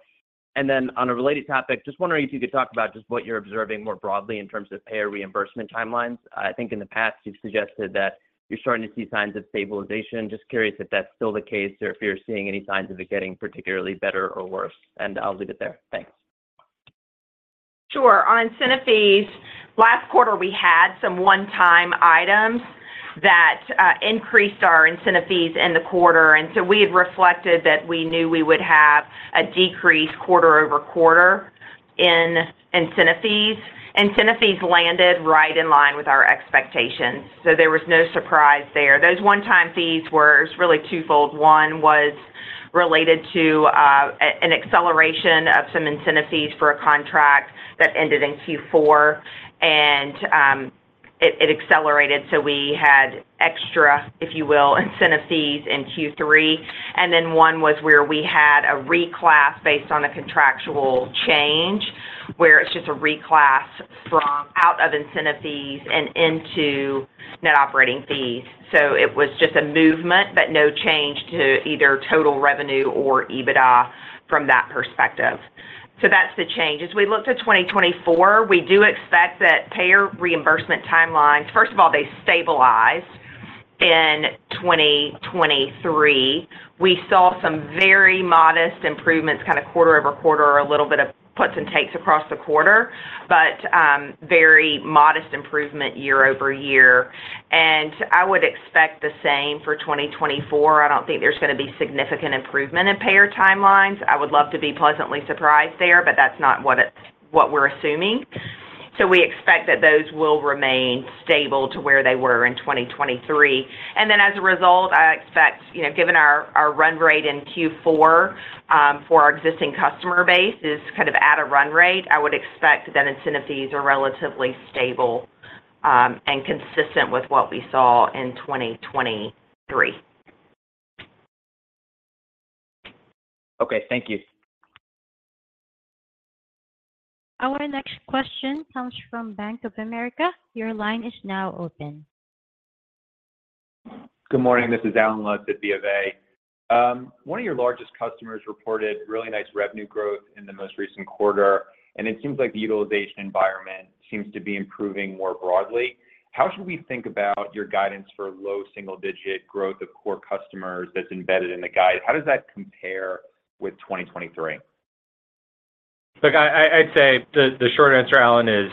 And then on a related topic, just wondering if you could talk about just what you're observing more broadly in terms of payer reimbursement timelines. I think in the past, you've suggested that you're starting to see signs of stabilization. Just curious if that's still the case, or if you're seeing any signs of it getting particularly better or worse, and I'll leave it there. Thanks. Sure. On incentive fees, last quarter, we had some one-time items that increased our incentive fees in the quarter, and so we had reflected that we knew we would have a decrease quarter-over-quarter in incentive fees. Incentive fees landed right in line with our expectations, so there was no surprise there. Those one-time fees were really twofold. One was related to an acceleration of some incentive fees for a contract that ended in Q4, and it accelerated, so we had extra, if you will, incentive fees in Q3. Then one was where we had a reclass based on a contractual change, where it's just a reclass from out of incentive fees and into net operating fees. So it was just a movement, but no change to either total revenue or EBITDA from that perspective. So that's the change. As we look to 2024, we do expect that payer reimbursement timelines. First of all, they stabilized in 2023. We saw some very modest improvements, kind of quarter-over-quarter, a little bit of puts and takes across the quarter, but very modest improvement year-over-year. And I would expect the same for 2024. I don't think there's gonna be significant improvement in payer timelines. I would love to be pleasantly surprised there, but that's not what it's, what we're assuming. So we expect that those will remain stable to where they were in 2023. And then as a result, I expect, you know, given our run rate in Q4, for our existing customer base is kind of at a run rate, I would expect that incentive fees are relatively stable, and consistent with what we saw in 2023. Okay, thank you. Our next question comes from Bank of America. Your line is now open. Good morning, this is Allen Lutz at BofA. One of your largest customers reported really nice revenue growth in the most recent quarter, and it seems like the utilization environment seems to be improving more broadly. How should we think about your guidance for low single-digit growth of core customers that's embedded in the guide? How does that compare with 2023? Look, I'd say the short answer, Allen, is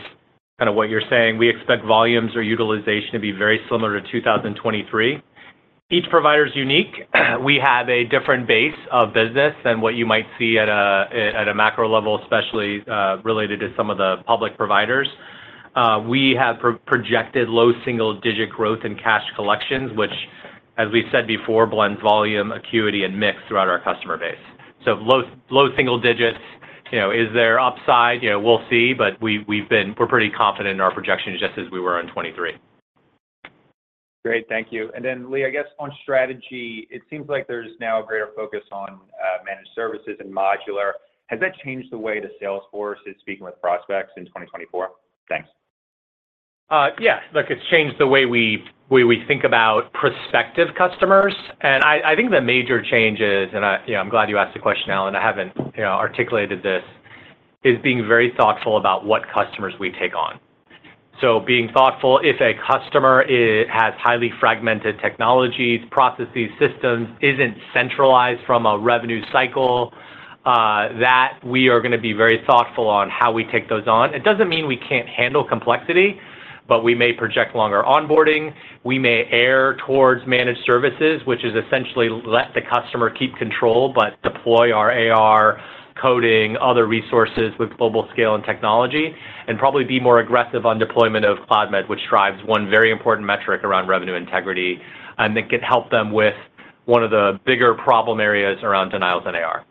kind of what you're saying. We expect volumes or utilization to be very similar to 2023. Each provider is unique. We have a different base of business than what you might see at a macro level, especially related to some of the public providers. We have projected low single-digit growth in cash collections, which, as we said before, blends volume, acuity, and mix throughout our customer base. So low single digits, you know, is there upside? You know, we'll see, but we're pretty confident in our projections, just as we were in 2023. Great. Thank you. And then, Lee, I guess on strategy, it seems like there's now a greater focus on managed services and modular. Has that changed the way the sales force is speaking with prospects in 2024? Thanks. Yeah. Look, it's changed the way we think about prospective customers, and I think the major change is. You know, I'm glad you asked the question, Allen. I haven't, you know, articulated this, is being very thoughtful about what customers we take on. So being thoughtful, if a customer has highly fragmented technologies, processes, systems, isn't centralized from a revenue cycle, that we are gonna be very thoughtful on how we take those on. It doesn't mean we can't handle complexity, but we may project longer onboarding. We may veer towards managed services, which is essentially let the customer keep control, but deploy our AR coding, other resources with global scale and technology, and probably be more aggressive on deployment of Cloudmed, which drives one very important metric around revenue integrity, and it could help them with one of the bigger problem areas around denials and AR.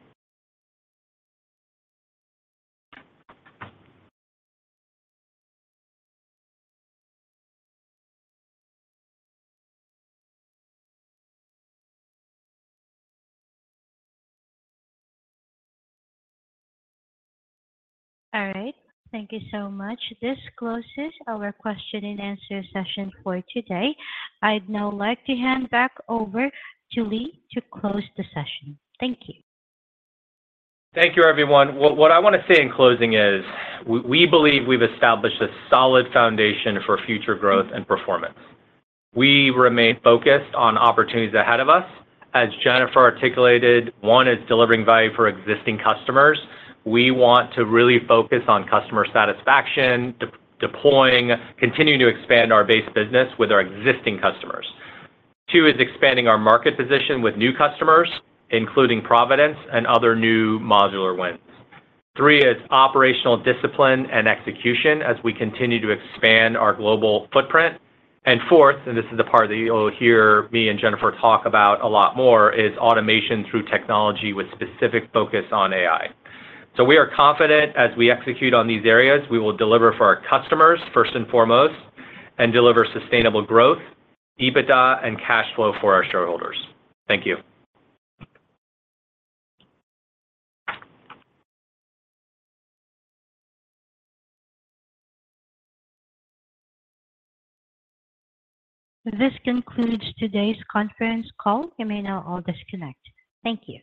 All right. Thank you so much. This closes our question and answer session for today. I'd now like to hand back over to Lee to close the session. Thank you. Thank you, everyone. What I want to say in closing is, we believe we've established a solid foundation for future growth and performance. We remain focused on opportunities ahead of us. As Jennifer articulated, one is delivering value for existing customers. We want to really focus on customer satisfaction, deploying, continuing to expand our base business with our existing customers. Two is expanding our market position with new customers, including Providence and other new modular wins. Three is operational discipline and execution as we continue to expand our global footprint. And fourth, and this is the part that you'll hear me and Jennifer talk about a lot more, is automation through technology with specific focus on AI. So we are confident as we execute on these areas, we will deliver for our customers, first and foremost, and deliver sustainable growth, EBITDA, and cash flow for our shareholders. Thank you. This concludes today's conference call. You may now all disconnect. Thank you.